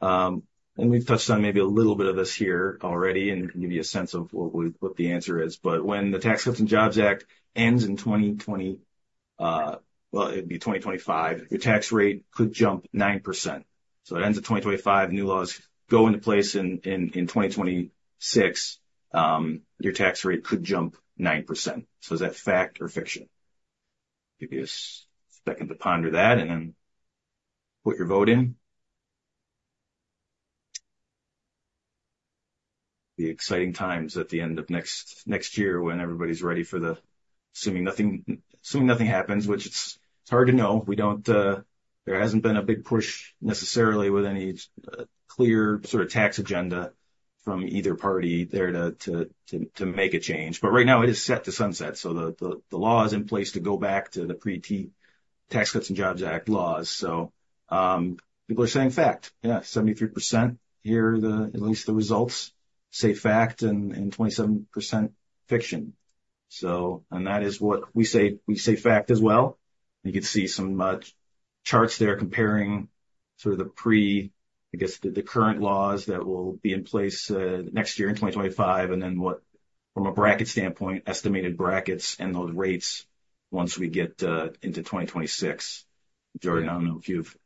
And we've touched on maybe a little bit of this here already and give you a sense of what the answer is. But when the Tax Cuts and Jobs Act ends in 2020, well, it'd be 2025, your tax rate could jump 9%. So it ends in 2025, new laws go into place in 2026, your tax rate could jump 9%. So is that fact or fiction? Give you a second to ponder that and then put your vote in. The exciting times at the end of next year when everybody's ready for the assuming nothing happens, which it's hard to know. There hasn't been a big push necessarily with any clear sort of tax agenda from either party there to make a change. But right now, it is set to sunset. So the law is in place to go back to the pre-Tax Cuts and Jobs Act laws. So people are saying fact. Yeah. 73% here, at least the results say fact and 27% fiction. And that is what we say we say fact as well. You can see some charts there comparing sort of the pre, I guess, the current laws that will be in place next year in 2025 and then what, from a bracket standpoint, estimated brackets and those rates once we get into 2026. Jordan Eich, I don't know if you have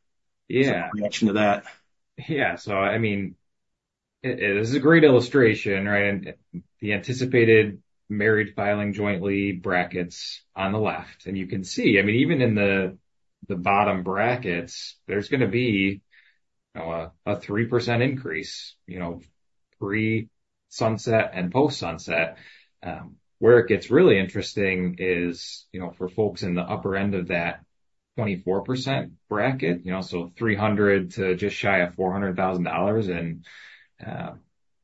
a reaction to that. Yeah. So I mean, this is a great illustration, right? And the anticipated married filing jointly brackets on the left. And you can see, I mean, even in the bottom brackets, there's going to be a 3% increase pre-sunset and post-sunset. Where it gets really interesting is for folks in the upper end of that 24% bracket, so $300,000 to just shy of $400,000 in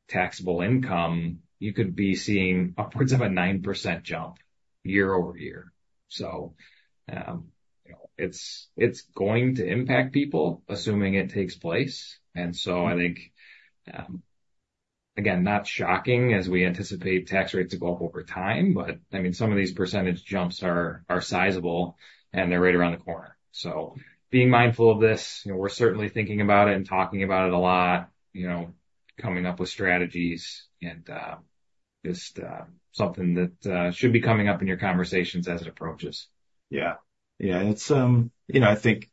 taxable income, you could be seeing upwards of a 9% jump year-over-year. So it's going to impact people assuming it takes place. And so I think, again, not shocking as we anticipate tax rates to go up over time, but I mean, some of these percentage jumps are sizable and they're right around the corner. So being mindful of this, we're certainly thinking about it and talking about it a lot, coming up with strategies and just something that should be coming up in your conversations as it approaches. Yeah. Yeah. And I think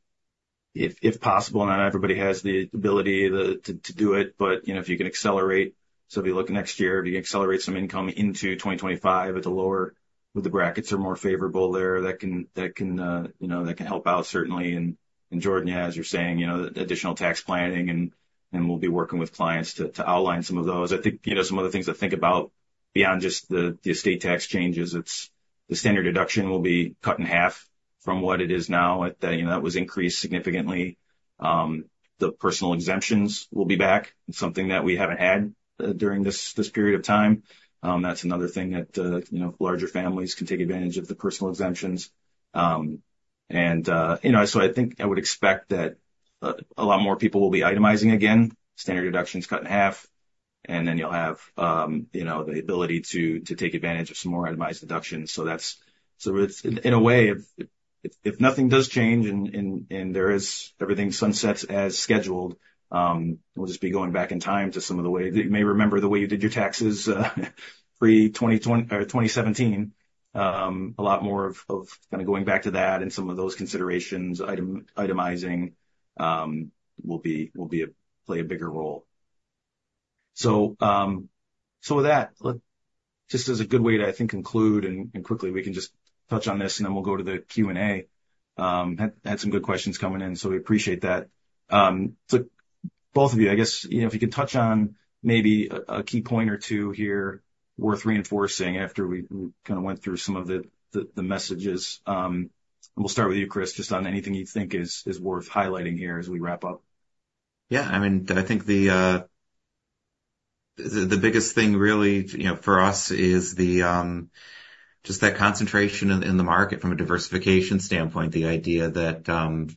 if possible, not everybody has the ability to do it, but if you can accelerate, so if you look next year, if you can accelerate some income into 2025 with the lower, with the brackets are more favorable there, that can help out certainly. And Jordan Eich, yeah, as you're saying, additional tax planning and we'll be working with clients to outline some of those. I think some of the things I think about beyond just the estate tax changes, it's the standard deduction will be cut in half from what it is now. That was increased significantly. The personal exemptions will be back. It's something that we haven't had during this period of time. That's another thing that larger families can take advantage of the personal exemptions. And so I think I would expect that a lot more people will be itemizing again. Standard deductions cut in half, and then you'll have the ability to take advantage of some more itemized deductions. In a way, if nothing does change and everything sunsets as scheduled, we'll just be going back in time to some of the ways that you may remember the way you did your taxes pre-2017. A lot more of kind of going back to that and some of those considerations, itemizing will play a bigger role. With that, just as a good way to, I think, conclude and quickly we can just touch on this and then we'll go to the Q&A. Had some good questions coming in, so we appreciate that. Both of you, I guess, if you could touch on maybe a key point or two here worth reinforcing after we kind of went through some of the messages. We'll start with you, Chris Petrosino, just on anything you think is worth highlighting here as we wrap up. Yeah. I mean, I think the biggest thing really for us is just that concentration in the market from a diversification standpoint, the idea that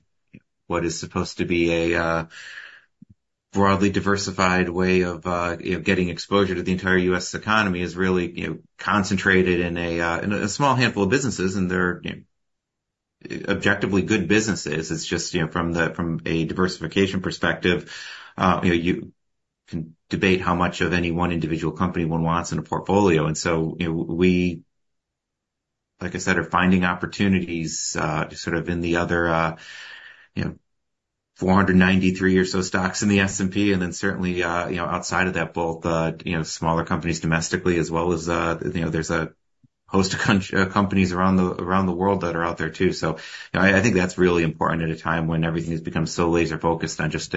what is supposed to be a broadly diversified way of getting exposure to the entire U.S. economy is really concentrated in a small handful of businesses, and they're objectively good businesses. It's just from a diversification perspective, you can debate how much of any one individual company one wants in a portfolio. And so we, like I said, are finding opportunities sort of in the other 493 or so stocks in the S&P. And then certainly outside of that, both smaller companies domestically as well as there's a host of companies around the world that are out there too. So I think that's really important at a time when everything has become so laser-focused on just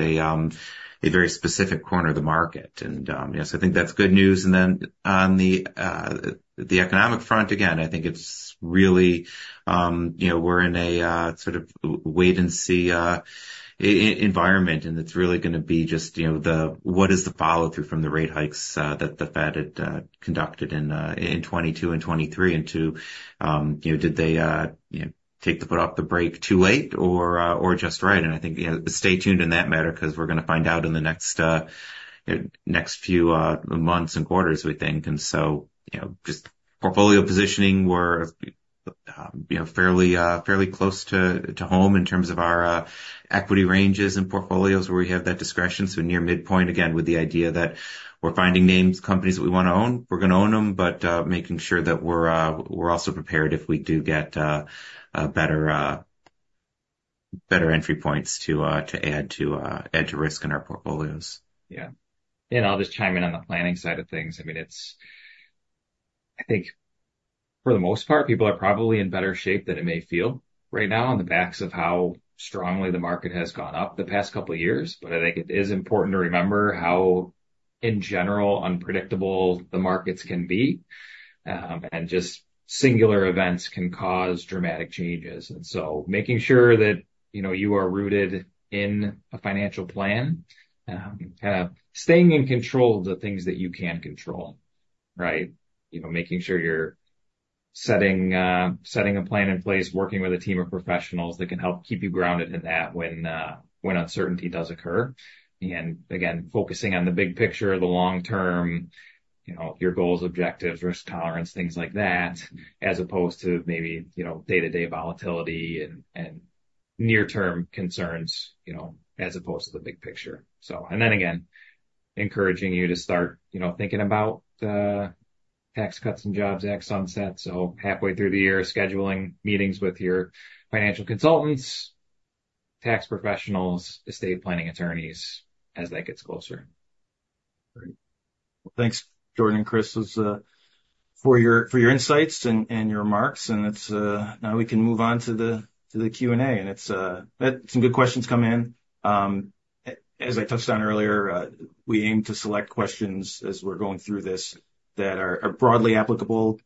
a very specific corner of the market. So I think that's good news. Then on the economic front, again, I think it's really we're in a sort of wait-and-see environment, and it's really going to be just what is the follow-through from the rate hikes that the Fed had conducted in 2022 and 2023? And did they take the foot off the brake too late or just right? And I think stay tuned in that matter because we're going to find out in the next few months and quarters, we think. So just portfolio positioning, we're fairly close to home in terms of our equity ranges and portfolios where we have that discretion. Near midpoint, again, with the idea that we're finding names, companies that we want to own, we're going to own them, but making sure that we're also prepared if we do get better entry points to add to risk in our portfolios. Yeah. And I'll just chime in on the planning side of things. I mean, I think for the most part, people are probably in better shape than it may feel right now on the backs of how strongly the market has gone up the past couple of years. But I think it is important to remember how, in general, unpredictable the markets can be. And just singular events can cause dramatic changes. And so making sure that you are rooted in a financial plan, kind of staying in control of the things that you can control, right? Making sure you're setting a plan in place, working with a team of professionals that can help keep you grounded in that when uncertainty does occur. And again, focusing on the big picture, the long-term, your goals, objectives, risk tolerance, things like that, as opposed to maybe day-to-day volatility and near-term concerns as opposed to the big picture. So, and then again, encouraging you to start thinking about Tax Cuts and Jobs Act sunset. So halfway through the year, scheduling meetings with your financial consultants, tax professionals, estate planning attorneys as that gets closer. Great. Well, thanks, Jordan Eich and Chris Petrosino, for your insights and your remarks. And now we can move on to the Q&A. And some good questions come in. As I touched on earlier, we aim to select questions as we're going through this that are broadly applicable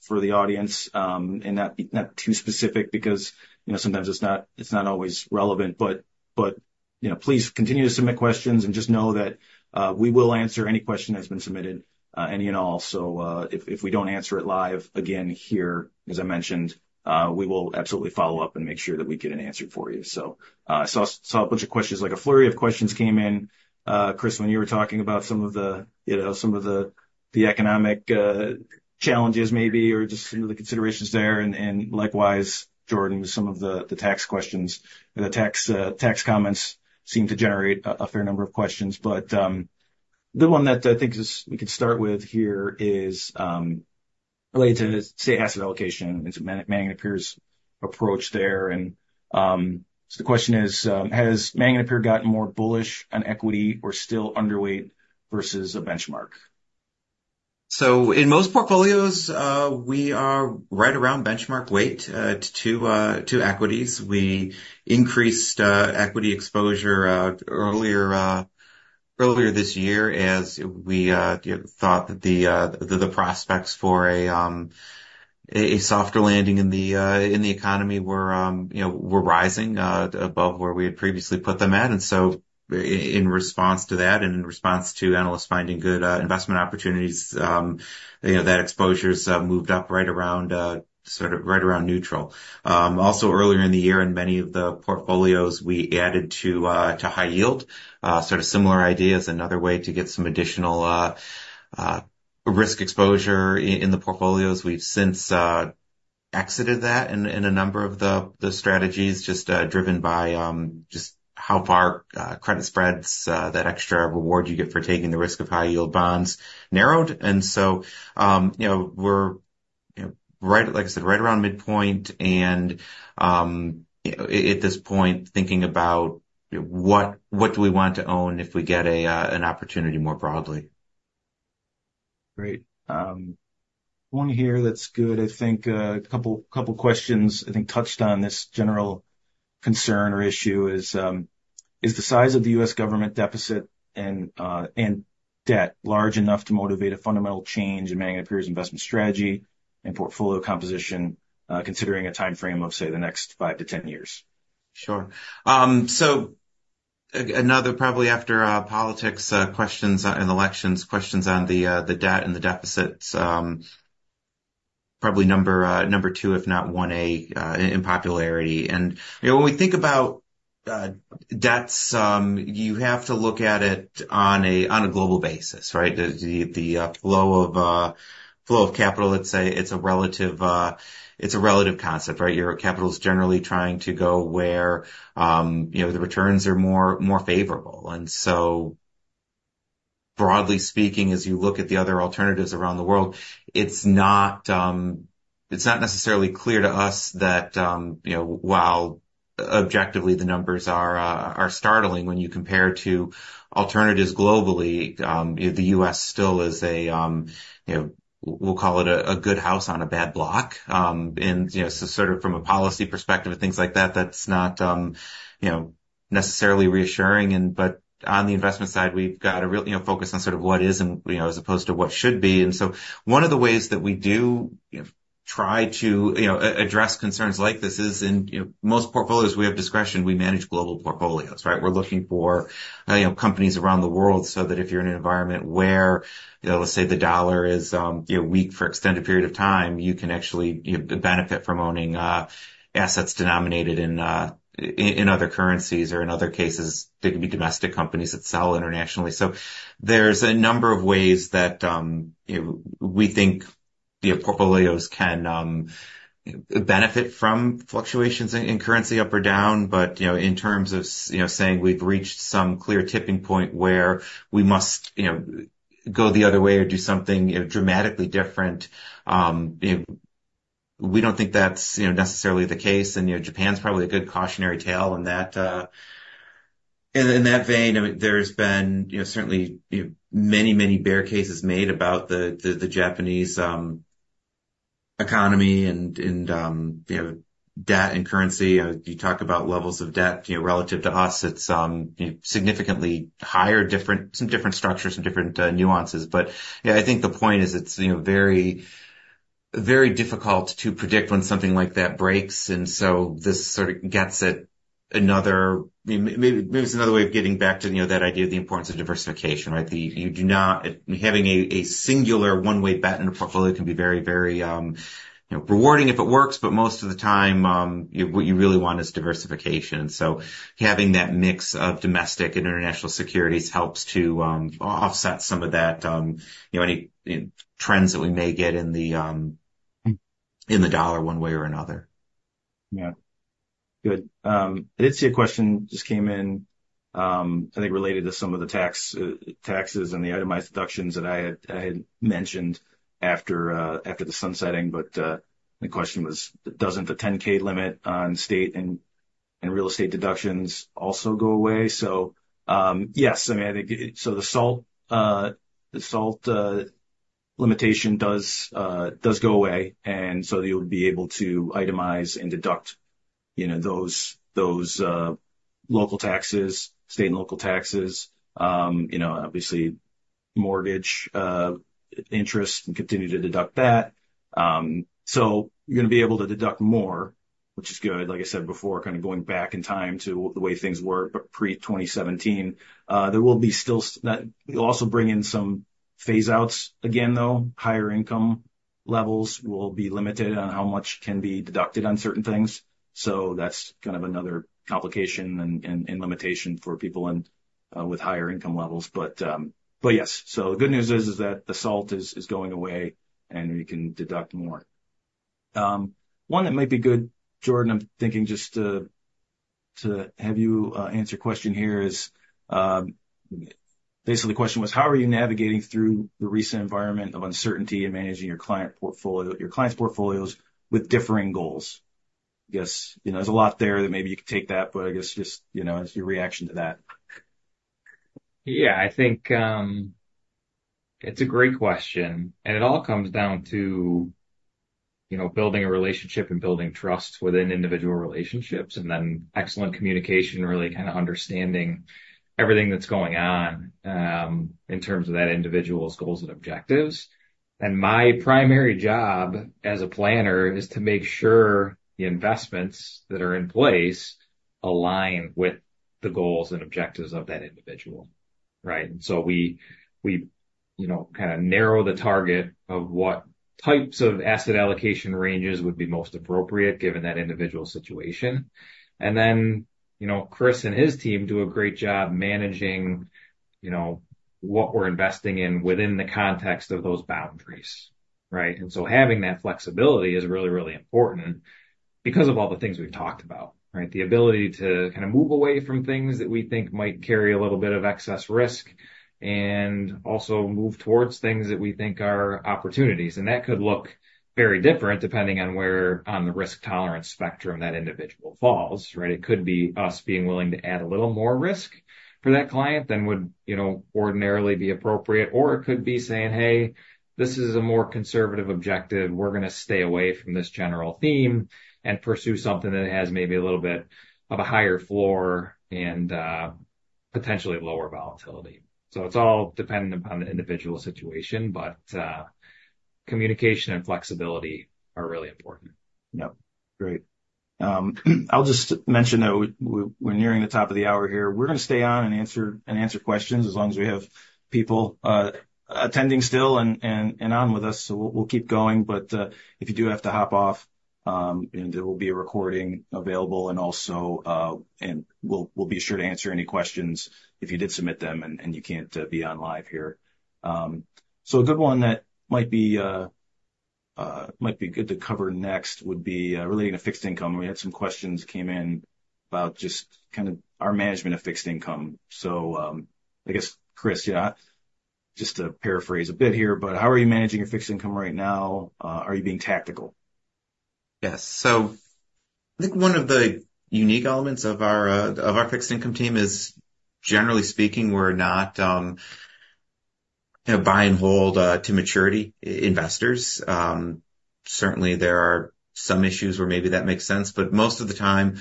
for the audience and not too specific because sometimes it's not always relevant. But please continue to submit questions and just know that we will answer any question that's been submitted, any and all. So if we don't answer it live again here, as I mentioned, we will absolutely follow up and make sure that we get an answer for you. So I saw a bunch of questions, like a flurry of questions came in, Chris Petrosino, when you were talking about some of the economic challenges maybe or just some of the considerations there. And likewise, Jordan Eich, with some of the tax questions and the tax comments seem to generate a fair number of questions. But the one that I think we can start with here is related to, say, asset allocation and some Manning & Napier's approach there. And so the question is, has Manning & Napier gotten more bullish on equity or still underweight versus a benchmark? So in most portfolios, we are right around benchmark weight to equities. We increased equity exposure earlier this year as we thought that the prospects for a softer landing in the economy were rising above where we had previously put them at. And so in response to that and in response to analysts finding good investment opportunities, that exposure has moved up right around sort of right around neutral. Also, earlier in the year, in many of the portfolios, we added to high yield, sort of similar ideas, another way to get some additional risk exposure in the portfolios. We've since exited that in a number of the strategies just driven by just how far credit spreads, that extra reward you get for taking the risk of high-yield bonds, narrowed. And so we're, like I said, right around mid-point. At this point, thinking about what do we want to own if we get an opportunity more broadly. Great. One here, that's good. I think a couple of questions, I think, touched on this general concern or issue is the size of the U.S. government deficit and debt large enough to motivate a fundamental change in Manning & Napier's investment strategy and portfolio composition considering a timeframe of, say, the next five to 10 years? Sure. So another, probably after politics questions and elections questions on the debt and the deficits, probably number two, if not one A, in popularity. And when we think about debts, you have to look at it on a global basis, right? The flow of capital, let's say, it's a relative concept, right? Your capital is generally trying to go where the returns are more favorable. And so broadly speaking, as you look at the other alternatives around the world, it's not necessarily clear to us that while objectively the numbers are startling when you compare to alternatives globally, the U.S. still is a, we'll call it, a good house on a bad block. And so sort of from a policy perspective and things like that, that's not necessarily reassuring. But on the investment side, we've got a real focus on sort of what is as opposed to what should be. And so one of the ways that we do try to address concerns like this is in most portfolios, we have discretion. We manage global portfolios, right? We're looking for companies around the world so that if you're in an environment where, let's say, the dollar is weak for an extended period of time, you can actually benefit from owning assets denominated in other currencies or in other cases, they can be domestic companies that sell internationally. So there's a number of ways that we think portfolios can benefit from fluctuations in currency up or down. But in terms of saying we've reached some clear tipping point where we must go the other way or do something dramatically different, we don't think that's necessarily the case. Japan's probably a good cautionary tale. In that vein, there's been certainly many, many bear cases made about the Japanese economy and debt and currency. You talk about levels of debt relative to us, it's significantly higher, some different structures, some different nuances. But yeah, I think the point is it's very difficult to predict when something like that breaks. And so this sort of gets at another maybe it's another way of getting back to that idea of the importance of diversification, right? Having a singular one-way bet in a portfolio can be very, very rewarding if it works. But most of the time, what you really want is diversification. And so having that mix of domestic and international securities helps to offset some of that trends that we may get in the dollar one way or another. Yeah. Good. I did see a question just came in, I think related to some of the taxes and the itemized deductions that I had mentioned after the sunsetting. But the question was, doesn't the $10,000 limit on state and real estate deductions also go away? So yes, I mean, I think so the SALT limitation does go away. And so you'll be able to itemize and deduct those local taxes, state and local taxes, obviously mortgage interest and continue to deduct that. So you're going to be able to deduct more, which is good. Like I said before, kind of going back in time to the way things were pre-2017, there will be still you'll also bring in some phase-outs again, though. Higher income levels will be limited on how much can be deducted on certain things. So that's kind of another complication and limitation for people with higher income levels. But yes, so the good news is that the SALT is going away and you can deduct more. One that might be good, Jordan Eich, I'm thinking just to have you answer a question here is basically the question was, how are you navigating through the recent environment of uncertainty in managing your client portfolios, your client's portfolios with differing goals? I guess there's a lot there that maybe you could take that, but I guess just your reaction to that. Yeah, I think it's a great question. It all comes down to building a relationship and building trust within individual relationships and then excellent communication, really kind of understanding everything that's going on in terms of that individual's goals and objectives. My primary job as a planner is to make sure the investments that are in place align with the goals and objectives of that individual, right? So we kind of narrow the target of what types of asset allocation ranges would be most appropriate given that individual situation. Then Chris Petrosino and his team do a great job managing what we're investing in within the context of those boundaries, right? Having that flexibility is really, really important because of all the things we've talked about, right? The ability to kind of move away from things that we think might carry a little bit of excess risk and also move towards things that we think are opportunities. That could look very different depending on where on the risk tolerance spectrum that individual falls, right? It could be us being willing to add a little more risk for that client than would ordinarily be appropriate. Or it could be saying, "Hey, this is a more conservative objective. We're going to stay away from this general theme and pursue something that has maybe a little bit of a higher floor and potentially lower volatility." It's all dependent upon the individual situation, but communication and flexibility are really important. Yep. Great. I'll just mention that we're nearing the top of the hour here. We're going to stay on and answer questions as long as we have people attending still and on with us. So we'll keep going. But if you do have to hop off, there will be a recording available. And we'll be sure to answer any questions if you did submit them and you can't be on live here. So a good one that might be good to cover next would be relating to fixed income. We had some questions that came in about just kind of our management of fixed income. So I guess, Chris Petrosino, yeah, just to paraphrase a bit here, but how are you managing your fixed income right now? Are you being tactical? Yes. So I think one of the unique elements of our fixed income team is, generally speaking, we're not buy and hold to maturity investors. Certainly, there are some issues where maybe that makes sense. But most of the time,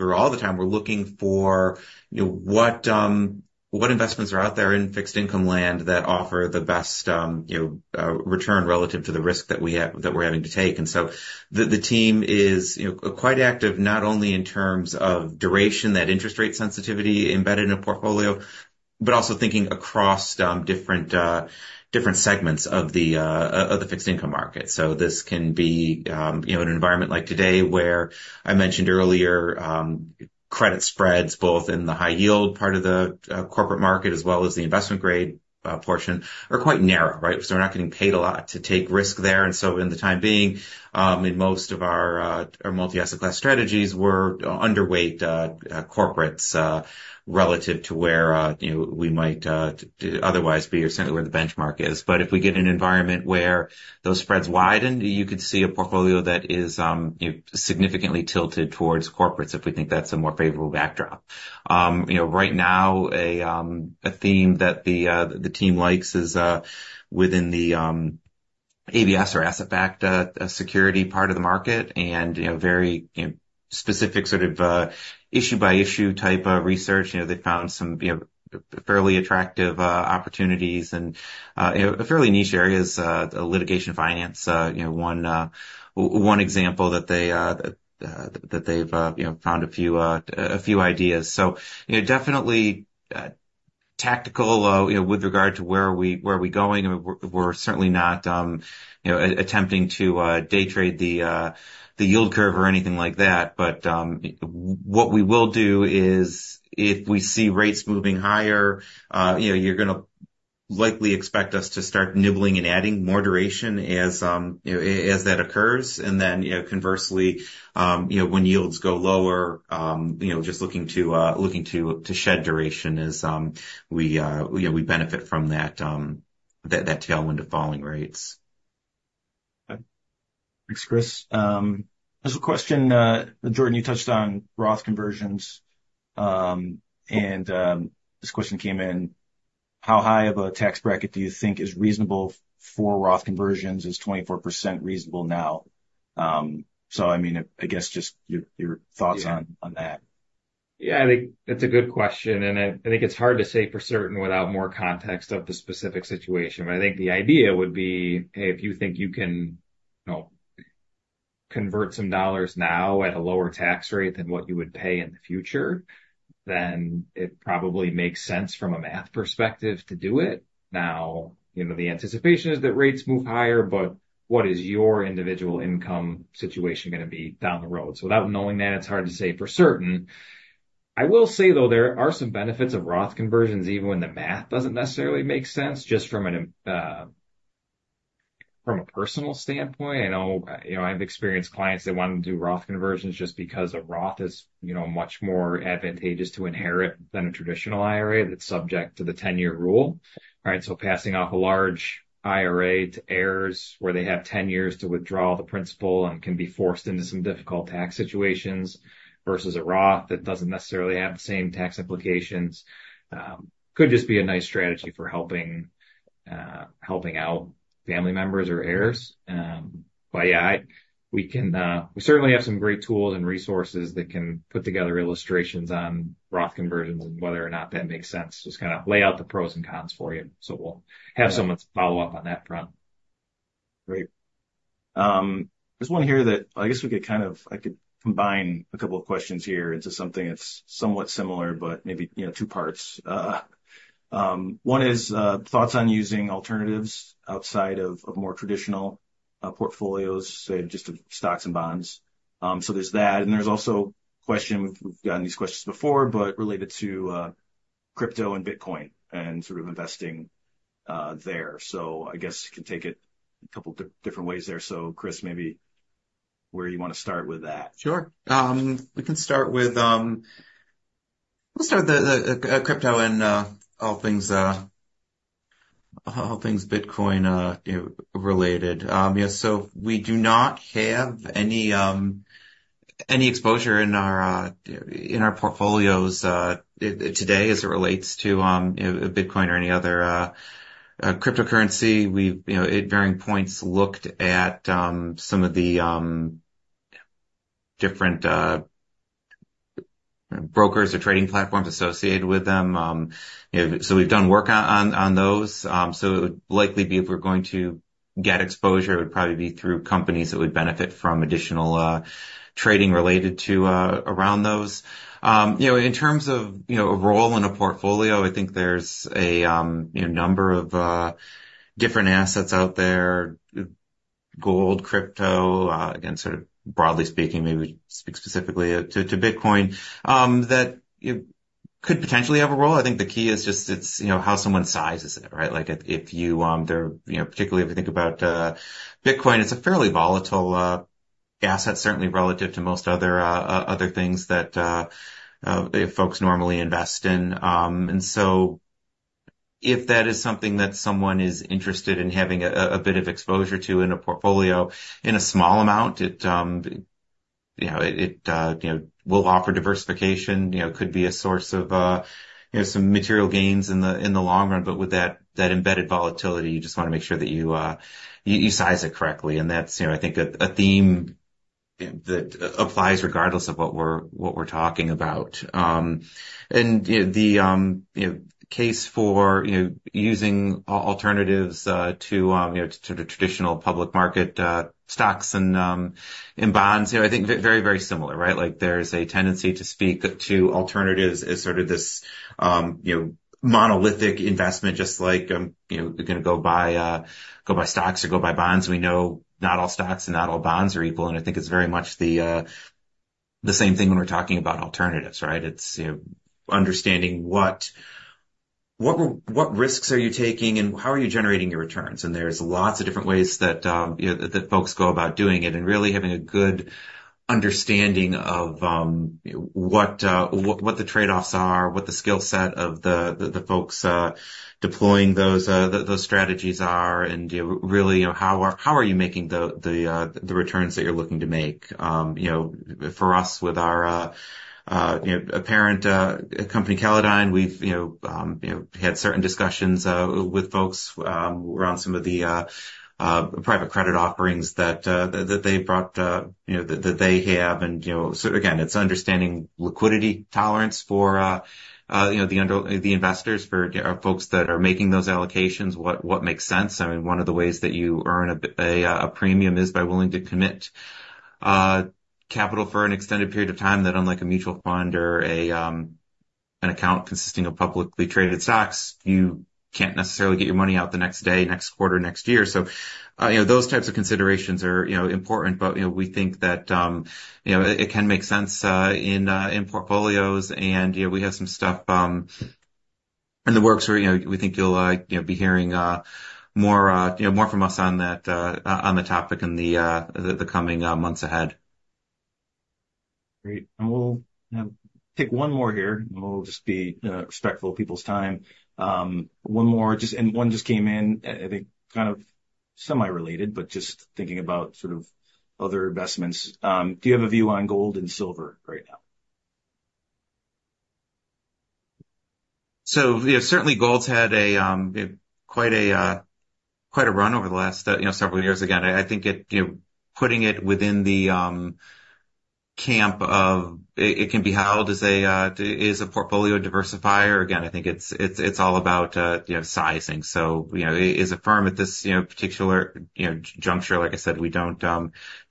or all the time, we're looking for what investments are out there in fixed income land that offer the best return relative to the risk that we're having to take. And so the team is quite active, not only in terms of duration, that interest rate sensitivity embedded in a portfolio, but also thinking across different segments of the fixed income market. So this can be an environment like today where I mentioned earlier, credit spreads, both in the high-yield part of the corporate market as well as the investment-grade portion, are quite narrow, right? So we're not getting paid a lot to take risk there. In the time being, in most of our multi-asset class strategies, we're underweight corporates relative to where we might otherwise be or certainly where the benchmark is. But if we get an environment where those spreads widen, you could see a portfolio that is significantly tilted towards corporates if we think that's a more favorable backdrop. Right now, a theme that the team likes is within the ABS or asset-backed security part of the market and very specific sort of issue-by-issue type of research. They found some fairly attractive opportunities and fairly niche areas, litigation finance, one example that they've found a few ideas. Definitely tactical with regard to where are we going. We're certainly not attempting to day trade the yield curve or anything like that. But what we will do is if we see rates moving higher, you're going to likely expect us to start nibbling and adding more duration as that occurs. And then conversely, when yields go lower, just looking to shed duration as we benefit from that tailwind of falling rates. Okay. Thanks, Chris Petrosino. There's a question, Jordan Eich, you touched on Roth conversions. And this question came in, how high of a tax bracket do you think is reasonable for Roth conversions? Is 24% reasonable now? So I mean, I guess just your thoughts on that. Yeah, I think that's a good question. I think it's hard to say for certain without more context of the specific situation. I think the idea would be, hey, if you think you can convert some dollars now at a lower tax rate than what you would pay in the future, then it probably makes sense from a math perspective to do it. Now, the anticipation is that rates move higher, but what is your individual income situation going to be down the road? Without knowing that, it's hard to say for certain. I will say, though, there are some benefits of Roth conversions even when the math doesn't necessarily make sense just from a personal standpoint. I know I've experienced clients that want to do Roth conversions just because a Roth is much more advantageous to inherit than a traditional IRA that's subject to the 10-year rule, right? So passing off a large IRA to heirs where they have 10 years to withdraw the principal and can be forced into some difficult tax situations versus a Roth that doesn't necessarily have the same tax implications could just be a nice strategy for helping out family members or heirs. But yeah, we certainly have some great tools and resources that can put together illustrations on Roth conversions and whether or not that makes sense, just kind of lay out the pros and cons for you. So we'll have someone follow up on that front. Great. There's one here that I guess we could kind of I could combine a couple of questions here into something that's somewhat similar, but maybe two parts. One is thoughts on using alternatives outside of more traditional portfolios, say, just stocks and bonds. So there's that. And there's also a question we've gotten these questions before, but related to crypto and Bitcoin and sort of investing there. So I guess you can take it a couple of different ways there. So Chris Petrosino, maybe where you want to start with that? Sure. We can start with crypto and all things Bitcoin related. Yeah. So we do not have any exposure in our portfolios today as it relates to Bitcoin or any other cryptocurrency. We've at varying points looked at some of the different brokers or trading platforms associated with them. So we've done work on those. So it would likely be if we're going to get exposure, it would probably be through companies that would benefit from additional trading related to around those. In terms of a role in a portfolio, I think there's a number of different assets out there, gold, crypto, again, sort of broadly speaking, maybe we speak specifically to Bitcoin, that could potentially have a role. I think the key is just how someone sizes it, right? Particularly if you think about Bitcoin, it's a fairly volatile asset, certainly relative to most other things that folks normally invest in. And so if that is something that someone is interested in having a bit of exposure to in a portfolio in a small amount, it will offer diversification, could be a source of some material gains in the long run. But with that embedded volatility, you just want to make sure that you size it correctly. And that's, I think, a theme that applies regardless of what we're talking about. And the case for using alternatives to traditional public market stocks and bonds, I think, very, very similar, right? There's a tendency to speak to alternatives as sort of this monolithic investment, just like you're going to go buy stocks or go buy bonds. We know not all stocks and not all bonds are equal. And I think it's very much the same thing when we're talking about alternatives, right? It's understanding what risks are you taking and how are you generating your returns. And there's lots of different ways that folks go about doing it and really having a good understanding of what the trade-offs are, what the skill set of the folks deploying those strategies are, and really how are you making the returns that you're looking to make. For us, with our parent company, Callodine, we've had certain discussions with folks around some of the private credit offerings that they brought that they have. And again, it's understanding liquidity tolerance for the investors, for folks that are making those allocations, what makes sense. I mean, one of the ways that you earn a premium is by willing to commit capital for an extended period of time that, unlike a mutual fund or an account consisting of publicly traded stocks, you can't necessarily get your money out the next day, next quarter, next year. So those types of considerations are important, but we think that it can make sense in portfolios. And we have some stuff in the works where we think you'll be hearing more from us on the topic in the coming months ahead. Great. And we'll take one more here. We'll just be respectful of people's time. One more, and one just came in, I think kind of semi-related, but just thinking about sort of other investments. Do you have a view on gold and silver right now? So certainly, gold's had quite a run over the last several years. Again, I think putting it within the camp of it can be held as a portfolio diversifier. Again, I think it's all about sizing. So as a firm at this particular juncture, like I said, we don't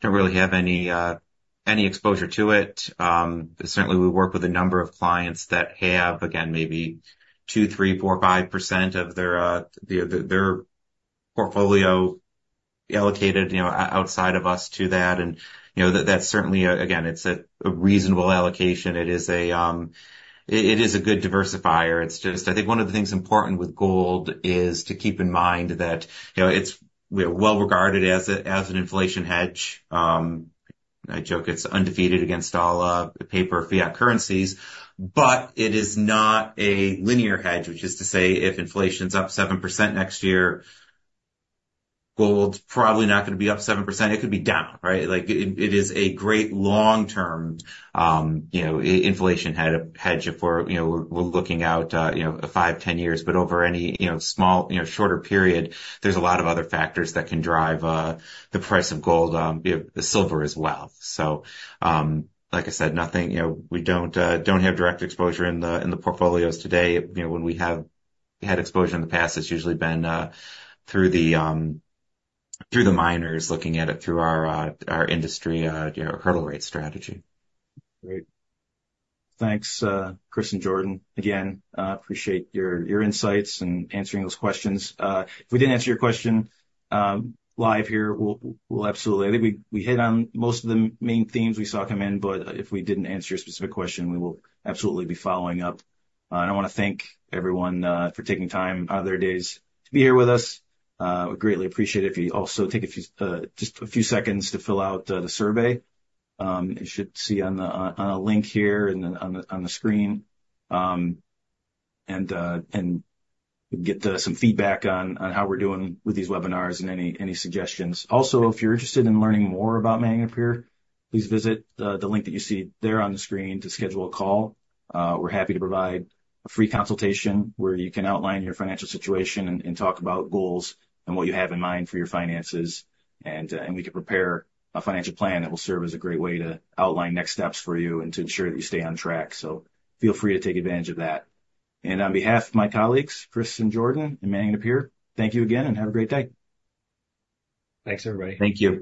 really have any exposure to it. Certainly, we work with a number of clients that have, again, maybe 2%, 3%, 4%, 5% of their portfolio allocated outside of us to that. And that's certainly, again, it's a reasonable allocation. It is a good diversifier. It's just, I think one of the things important with gold is to keep in mind that it's well regarded as an inflation hedge. I joke it's undefeated against all paper fiat currencies, but it is not a linear hedge, which is to say if inflation's up 7% next year, gold's probably not going to be up 7%. It could be down, right? It is a great long-term inflation hedge if we're looking out five, 10 years. But over any small, shorter period, there's a lot of other factors that can drive the price of gold, the silver as well. So like I said, we don't have direct exposure in the portfolios today. When we have had exposure in the past, it's usually been through the miners looking at it through our industry hurdle rate strategy. Great. Thanks, Chris Petrosino and Jordan Eich. Again, appreciate your insights and answering those questions. If we didn't answer your question live here, we'll absolutely—I think we hit on most of the main themes we saw come in, but if we didn't answer your specific question, we will absolutely be following up. And I want to thank everyone for taking time out of their days to be here with us. We greatly appreciate it if you also take just a few seconds to fill out the survey. You should see a link here and on the screen. And get some feedback on how we're doing with these webinars and any suggestions. Also, if you're interested in learning more about Manning & Napier, please visit the link that you see there on the screen to schedule a call. We're happy to provide a free consultation where you can outline your financial situation and talk about goals and what you have in mind for your finances. And we can prepare a financial plan that will serve as a great way to outline next steps for you and to ensure that you stay on track. So feel free to take advantage of that. And on behalf of my colleagues, Chris Petrosino and Jordan Eich and Manning & Napier, thank you again and have a great day. Thanks, everybody. Thank you.